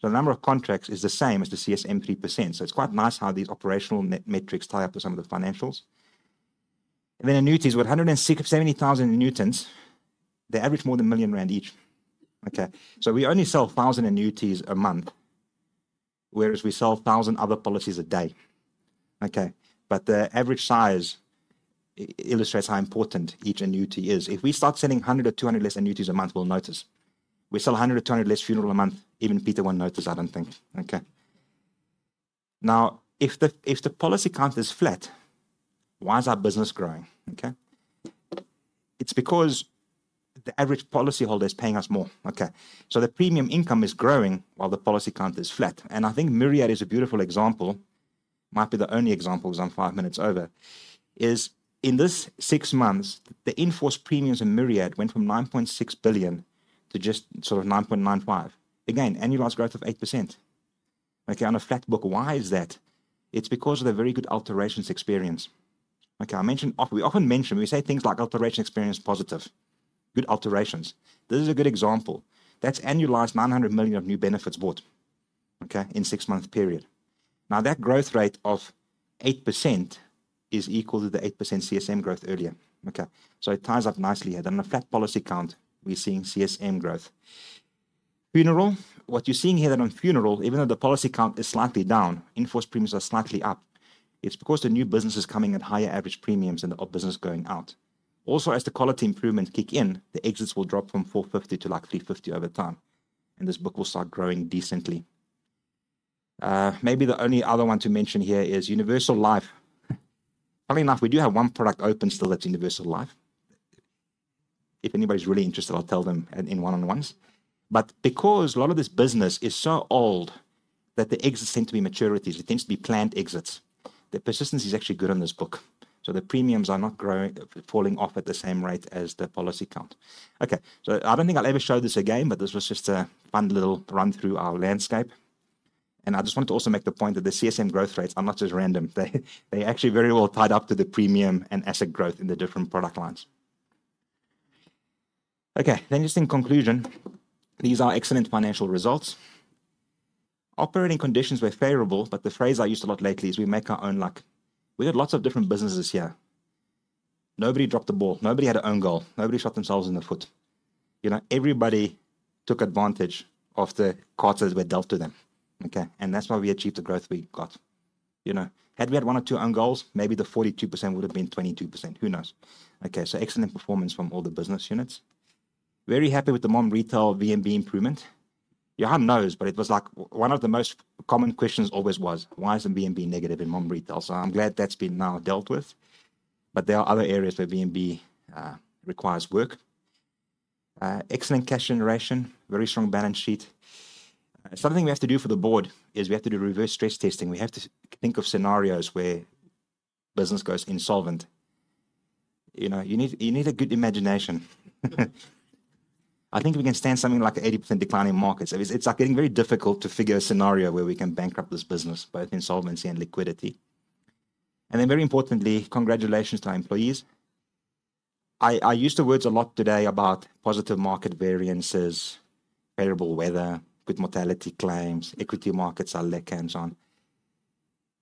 The number of contracts is the same as the CSM 3%. It is quite nice how these operational metrics tie up to some of the financials. Annuities with 170,000 in newtons, they average more than 1,000,000 rand each. We only sell 1,000 annuities a month, whereas we sell 1,000 other policies a day. The average size illustrates how important each annuity is. If we start selling 100 or 200 less annuities a month, we'll notice. We sell 100 or 200 less funeral a month. Even Peter won't notice, I don't think. Okay, now if the policy count is flat, why is our business growing? Okay, it's because the average policyholder is paying us more. Okay, so the premium income is growing while the policy count is flat. I think Myriad is a beautiful example. Might be the only example because I'm five minutes over. In this six months, the inforced premiums in Myriad went from 9.6 billion to just sort of 9.95 billion. Again, annualized growth of 8%. Okay, on a flat book, why is that? It's because of the very good alterations experience. I mentioned, we often mention, we say things like alteration experience positive, good alterations. This is a good example. That's annualized 900 million of new benefits bought, okay, in a six-month period. Now that growth rate of 8% is equal to the 8% CSM growth earlier. Okay, so it ties up nicely here. On a flat policy count, we're seeing CSM growth. Funeral, what you're seeing here then on funeral, even though the policy count is slightly down, inforced premiums are slightly up. It's because the new business is coming at higher average premiums and the old business going out. Also, as the quality improvements kick in, the exits will drop from 450 to 350 over time. This book will start growing decently. Maybe the only other one to mention here is Universal Life. Funny enough, we do have one product open still that's Universal Life. If anybody's really interested, I'll tell them in one-on-ones. Because a lot of this business is so old that the exits seem to be maturities, it tends to be planned exits, the persistency is actually good on this book. The premiums are not growing, falling off at the same rate as the policy count. I do not think I will ever show this again, but this was just a fun little run through our landscape. I just wanted to also make the point that the CSM growth rates are not just random. They actually very well tie up to the premium and asset growth in the different product lines. In conclusion, these are excellent financial results. Operating conditions were favorable, but the phrase I used a lot lately is we make our own luck. We had lots of different businesses here. Nobody dropped the ball. Nobody had an own goal. Nobody shot themselves in the foot. You know, everybody took advantage of the cards that were dealt to them. Okay, and that's why we achieved the growth we got. You know, had we had one or two own goals, maybe the 42% would have been 22%. Who knows? Okay, excellent performance from all the business units. Very happy with the MOM retail VNB improvement. Johan knows, but it was like one of the most common questions always was, why is the VNB negative in MOM retail? You know, I'm glad that's been now dealt with. There are other areas where VNB requires work. Excellent cash generation, very strong balance sheet. Something we have to do for the board is we have to do reverse stress testing. We have to think of scenarios where business goes insolvent. You know, you need a good imagination. I think we can stand something like an 80% decline in markets. It's like getting very difficult to figure a scenario where we can bankrupt this business, both insolvency and liquidity. Very importantly, congratulations to our employees. I used the words a lot today about positive market variances, favorable weather, good mortality claims, equity markets are like, and so on.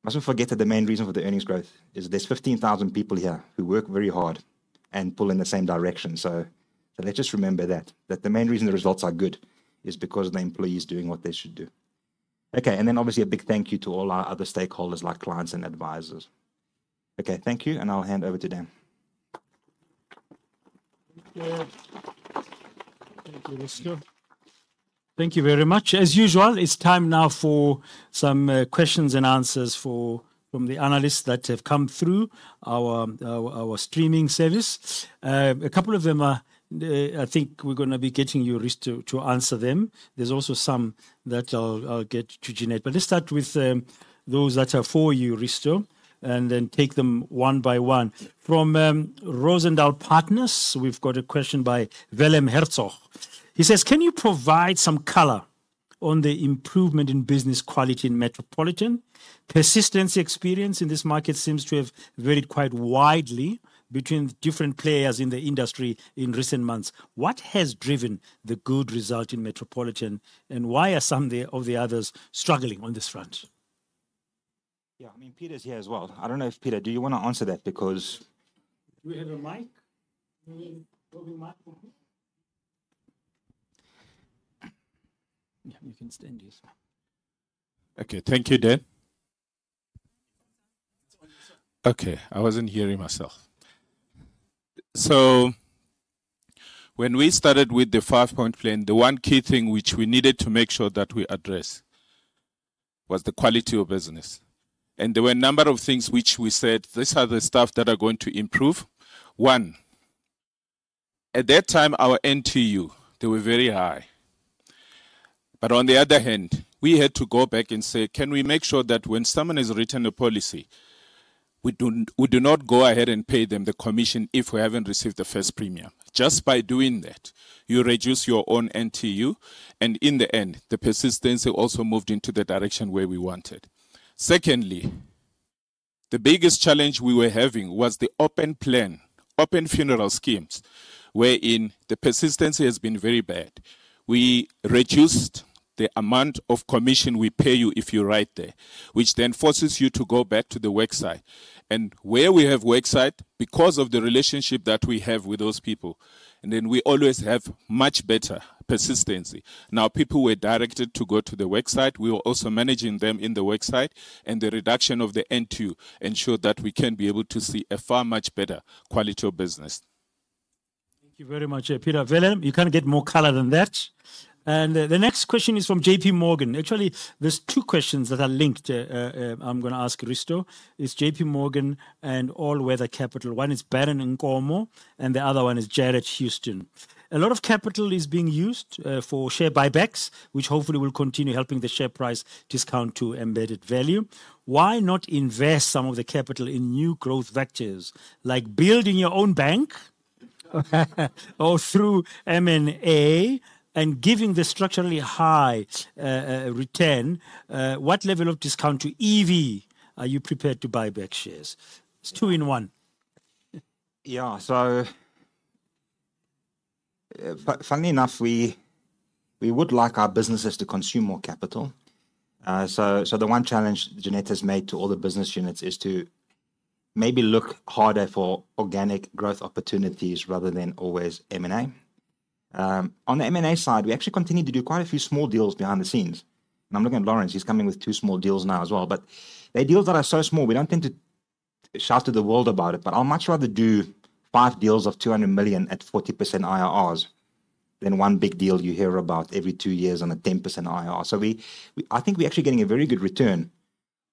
Mustn't forget that the main reason for the earnings growth is there's 15,000 people here who work very hard and pull in the same direction. Let's just remember that. The main reason the results are good is because of the employees doing what they should do. Okay, obviously a big thank you to all our other stakeholders like clients and advisors. Okay, thank you, and I'll hand over to Dan. Thank you, Risto. Thank you very much. As usual, it's time now for some questions and answers from the analysts that have come through our streaming service. A couple of them are, I think we're going to be getting you, Risto, to answer them. There's also some that I'll get to Jeanette. Let's start with those that are for you, Risto, and then take them one by one. From Rozendal Partners, we've got a question by Wilhelm Hertzog. He says, can you provide some color on the improvement in business quality in Metropolitan? Persistence experience in this market seems to have varied quite widely between different players in the industry in recent months. What has driven the good result in Metropolitan and why are some of the others struggling on this front? I mean, Peter's here as well. I don't know if Peter, do you want to answer that because... Do we have a mic? Yeah, you can stand here. Okay, thank you, Dan. Okay, I wasn't hearing myself. When we started with the five-point plan, the one key thing which we needed to make sure that we address was the quality of business. There were a number of things which we said, these are the stuff that are going to improve. One, at that time, our NTU, they were very high. On the other hand, we had to go back and say, can we make sure that when someone has written a policy, we do not go ahead and pay them the commission if we haven't received the first premium? Just by doing that, you reduce your own NTU, and in the end, the persistency also moved into the direction where we wanted. Secondly, the biggest challenge we were having was the open plan, open funeral schemes, wherein the persistency has been very bad. We reduced the amount of commission we pay you if you write there, which then forces you to go back to the website. Where we have website, because of the relationship that we have with those people, we always have much better persistency. Now people were directed to go to the website. We were also managing them in the website, and the reduction of the NTU ensured that we can be able to see a far much better quality of business. Thank you very much, Peter. Wilhelm, you can't get more color than that. The next question is from JPMorgan. Actually, there's two questions that are linked I'm going to ask Risto. It's JPMorgan and All Weather Capital. One is Baron and Gormo, and the other one is Jarred Houston. A lot of capital is being used for share buybacks, which hopefully will continue helping the share price discount to embedded value. Why not invest some of the capital in new growth vectors, like building your own bank or through M&A and giving the structurally high return, what level of discount to EV are you prepared to buy back shares? It's two in one. Yeah, funny enough, we would like our businesses to consume more capital. The one challenge Jeanette has made to all the business units is to maybe look harder for organic growth opportunities rather than always M&A. On the M&A side, we actually continue to do quite a few small deals behind the scenes. I am looking at Lawrence. He is coming with two small deals now as well. They're deals that are so small, we don't tend to shout to the world about it, but I'd much rather do five deals of 200 million at 40% IRRs than one big deal you hear about every two years on a 10% IRR. I think we're actually getting a very good return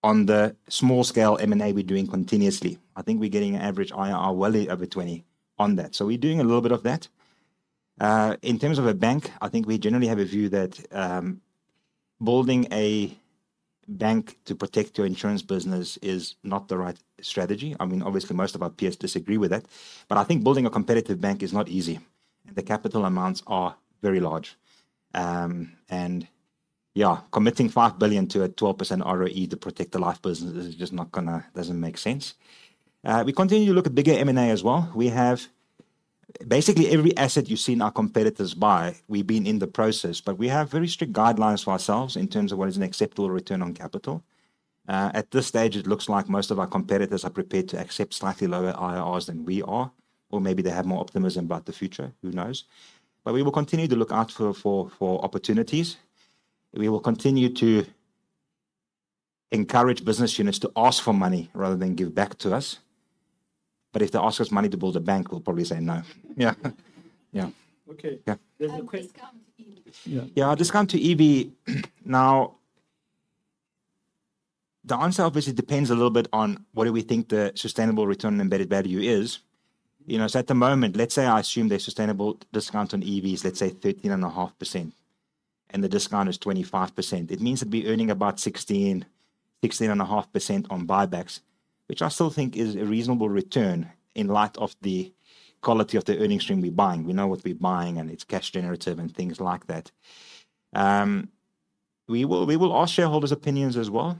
on the small-scale M&A we're doing continuously. I think we're getting an average IRR well over 20% on that. We're doing a little bit of that. In terms of a bank, I think we generally have a view that building a bank to protect your insurance business is not the right strategy. I mean, obviously, most of our peers disagree with that. I think building a competitive bank is not easy, and the capital amounts are very large. Yeah, committing 5 billion to a 12% ROE to protect the life business is just not going to, doesn't make sense. We continue to look at bigger M&A as well. We have basically every asset you've seen our competitors buy. We've been in the process, but we have very strict guidelines for ourselves in terms of what is an acceptable return on capital. At this stage, it looks like most of our competitors are prepared to accept slightly lower IRRs than we are, or maybe they have more optimism about the future. Who knows? We will continue to look out for opportunities. We will continue to encourage business units to ask for money rather than give back to us. If they ask us money to build a bank, we'll probably say no. Yeah, yeah. Okay. Yeah, discount to EV. Now, the answer obviously depends a little bit on what do we think the sustainable return on embedded value is. You know, so at the moment, let's say I assume the sustainable discount on EV is, let's say, 13.5%, and the discount is 25%. It means that we're earning about 16%-16.5% on buybacks, which I still think is a reasonable return in light of the quality of the earnings stream we're buying. We know what we're buying, and it's cash generative and things like that. We will ask shareholders' opinions as well.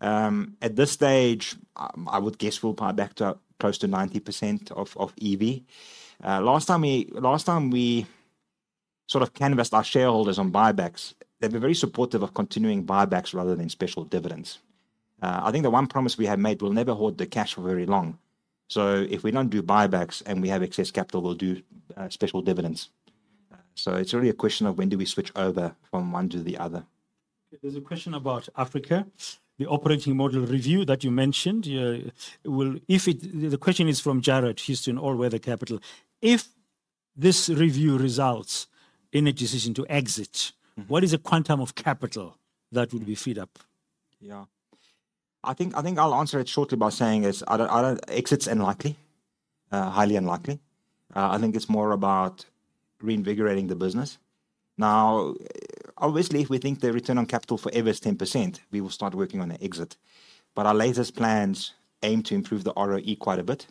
At this stage, I would guess we'll buy back to close to 90% of EV. Last time we sort of canvassed our shareholders on buybacks, they were very supportive of continuing buybacks rather than special dividends. I think the one promise we have made, we'll never hold the cash for very long. If we do not do buybacks and we have excess capital, we will do special dividends. It is really a question of when we switch over from one to the other. There is a question about Africa, the operating model review that you mentioned. The question is from Jarred Houston, All Weather Capital. If this review results in a decision to exit, what is the quantum of capital that would be freed up? I think I will answer it shortly by saying exit is unlikely, highly unlikely. I think it is more about reinvigorating the business. Now, obviously, if we think the return on capital forever is 10%, we will start working on an exit. Our latest plans aim to improve the ROE quite a bit.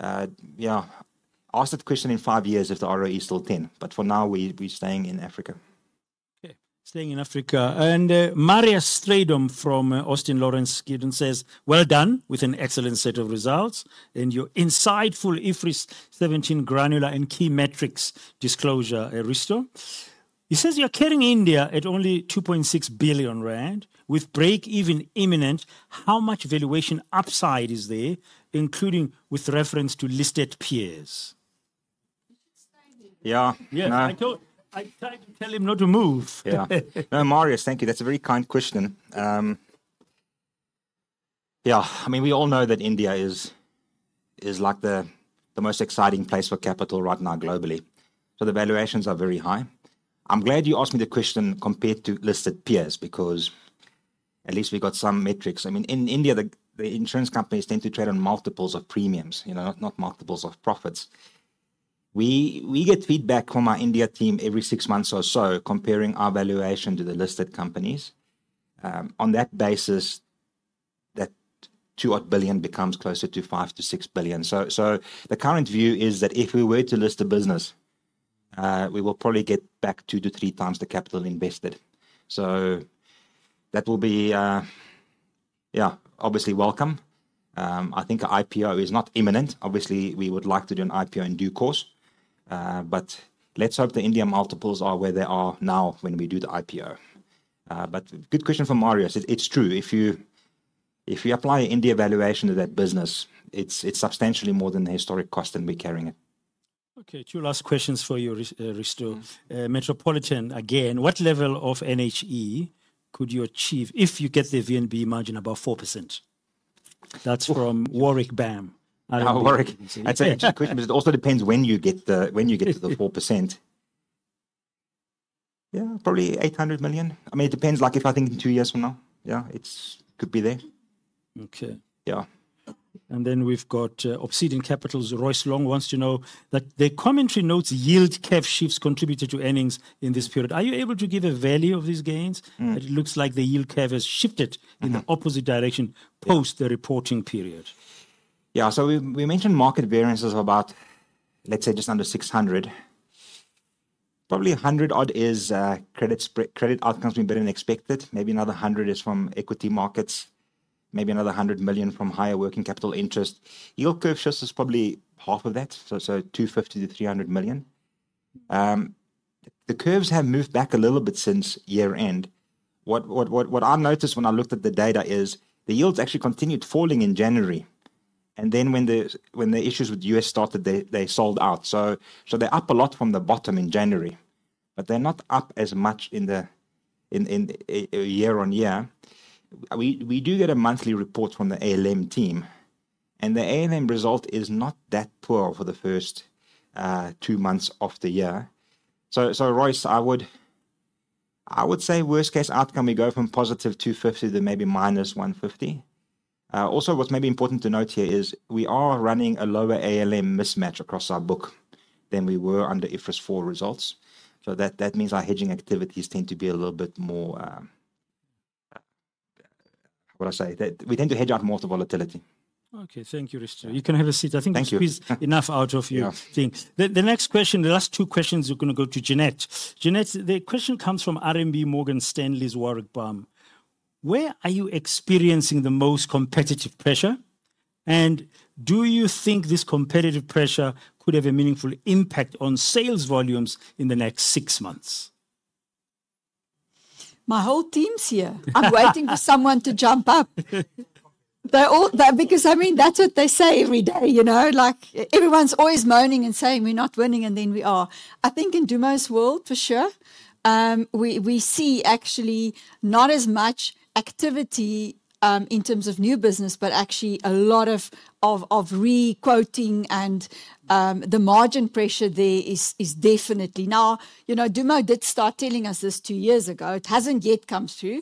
Ask that question in five years if the ROE is still 10%, but for now, we are staying in Africa. Okay, staying in Africa. Marius Strydom from Austin Lawrence Gidon says, well done with an excellent set of results. Your insightful IFRS 17 granular and key metrics disclosure, Risto. He says you're carrying India at only 2.6 billion rand with break-even imminent. How much valuation upside is there, including with reference to listed peers? Yeah. Yeah, I tell him not to move. Yeah, Marius, thank you. That's a very kind question. Yeah, I mean, we all know that India is like the most exciting place for capital right now globally. The valuations are very high. I'm glad you asked me the question compared to listed peers because at least we got some metrics. I mean, in India, the insurance companies tend to trade on multiples of premiums, you know, not multiples of profits. We get feedback from our India team every six months or so comparing our valuation to the listed companies. On that basis, that two-odd billion becomes closer to 5 billion-6 billion. The current view is that if we were to list a business, we will probably get back two to three times the capital invested. That will be, yeah, obviously welcome. I think an IPO is not imminent. Obviously, we would like to do an IPO in due course. Let's hope the India multiples are where they are now when we do the IPO. Good question from Marius. It's true. If you apply India valuation to that business, it's substantially more than the historic cost that we're carrying it. Okay, two last questions for you, Risto. Metropolitan, again, what level of NHE could you achieve if you get the VNB margin above 4%? That's from Warwick Bam. Warwick, that's actually a question. It also depends when you get to the 4%. Yeah, probably 800 million. I mean, it depends like if I think in two years from now. Yeah, it could be there. Okay. Yeah. Then we've got Obsidian Capital, Royce Long wants to know that their commentary notes yield curve shifts contributed to earnings in this period. Are you able to give a value of these gains? It looks like the yield curve has shifted in the opposite direction post the reporting period. Yeah, so we mentioned market variances of about, let's say, just under 600 million. Probably 100 million odd is credit outcomes were better than expected. Maybe another 100 million is from equity markets. Maybe another 100 million from higher working capital interest. Yield curve shifts is probably half of that. So 250 million-300 million. The curves have moved back a little bit since year-end. What I noticed when I looked at the data is the yields actually continued falling in January. When the issues with the U.S. started, they sold out. They are up a lot from the bottom in January. They are not up as much in the year-on-year. We do get a monthly report from the ALM team. The ALM result is not that poor for the first two months of the year. Royce, I would say worst-case outcome, we go from +250 to maybe -150. Also, what is maybe important to note here is we are running a lower ALM mismatch across our book than we were under IFRS 4 results. That means our hedging activities tend to be a little bit more, what I say, we tend to hedge out more to volatility. Okay, thank you, Risto. You can have a seat. I think the squeeze is enough out of your thing. The next question, the last two questions are going to go to Jeanette. Jeanette, the question comes from RMB Morgan Stanley's Warwick Bam. Where are you experiencing the most competitive pressure? And do you think this competitive pressure could have a meaningful impact on sales volumes in the next six months? My whole team's here. I'm waiting for someone to jump up. Because I mean, that's what they say every day. You know, like everyone's always moaning and saying we're not winning and then we are. I think in Dumo's world, for sure, we see actually not as much activity in terms of new business, but actually a lot of re-quoting and the margin pressure there is definitely. Now, you know, Dumo did start telling us this two years ago. It hasn't yet come through.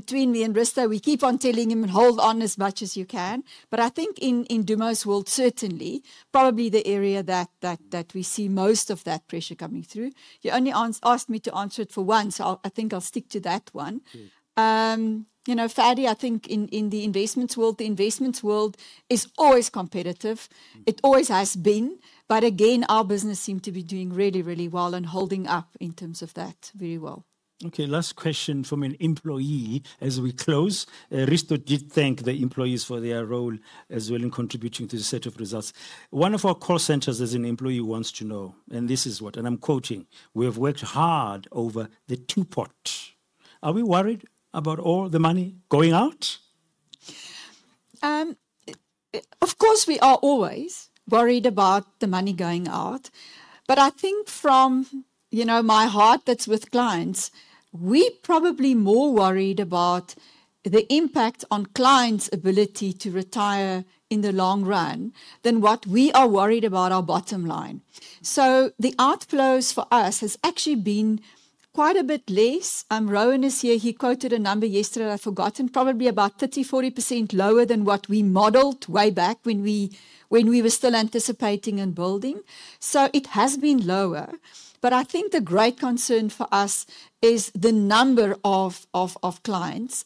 Between me and Risto, we keep on telling him and hold on as much as you can. I think in Dumo's world, certainly, probably the area that we see most of that pressure coming through. You only asked me to answer it for one, so I think I'll stick to that one. You know, Fadi, I think in the investments world, the investments world is always competitive. It always has been. Again, our business seemed to be doing really, really well and holding up in terms of that very well. Okay, last question from an employee as we close. Risto did thank the employees for their role as well in contributing to the set of results. One of our call centers as an employee wants to know, and this is what, and I'm quoting, we have worked hard over the two pot. Are we worried about all the money going out? Of course, we are always worried about the money going out. I think from, you know, my heart that's with clients, we're probably more worried about the impact on clients' ability to retire in the long run than what we are worried about our bottom line. The outflows for us have actually been quite a bit less. Rowan is here. He quoted a number yesterday that I've forgotten. Probably about 30%-40% lower than what we modeled way back when we were still anticipating and building. It has been lower. I think the great concern for us is the number of clients.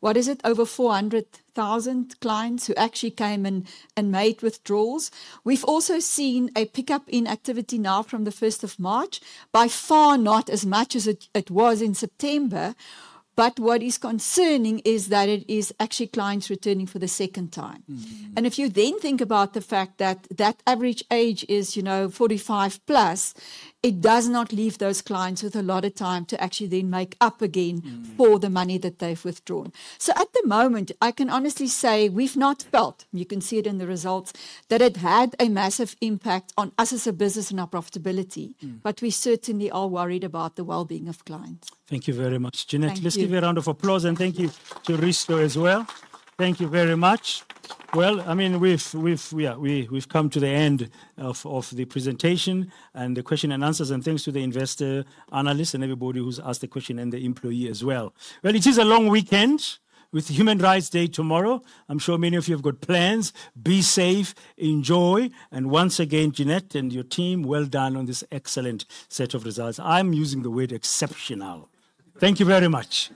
What is it? Over 400,000 clients who actually came and made withdrawals. We've also seen a pickup in activity now from the 1st of March. By far not as much as it was in September. What is concerning is that it is actually clients returning for the second time. If you then think about the fact that that average age is, you know, 45+, it does not leave those clients with a lot of time to actually then make up again for the money that they've withdrawn. At the moment, I can honestly say we've not felt, you can see it in the results, that it had a massive impact on us as a business and our profitability. We certainly are worried about the well-being of clients. Thank you very much, Jeanette. Let's give you a round of applause and thank you to Risto as well. Thank you very much. I mean, we've come to the end of the presentation and the question and answers and thanks to the investor analysts and everybody who's asked the question and the employee as well. It is a long weekend with Human Rights Day tomorrow. I'm sure many of you have got plans. Be safe, enjoy. Once again, Jeanette and your team, well done on this excellent set of results. I'm using the word exceptional. Thank you very much.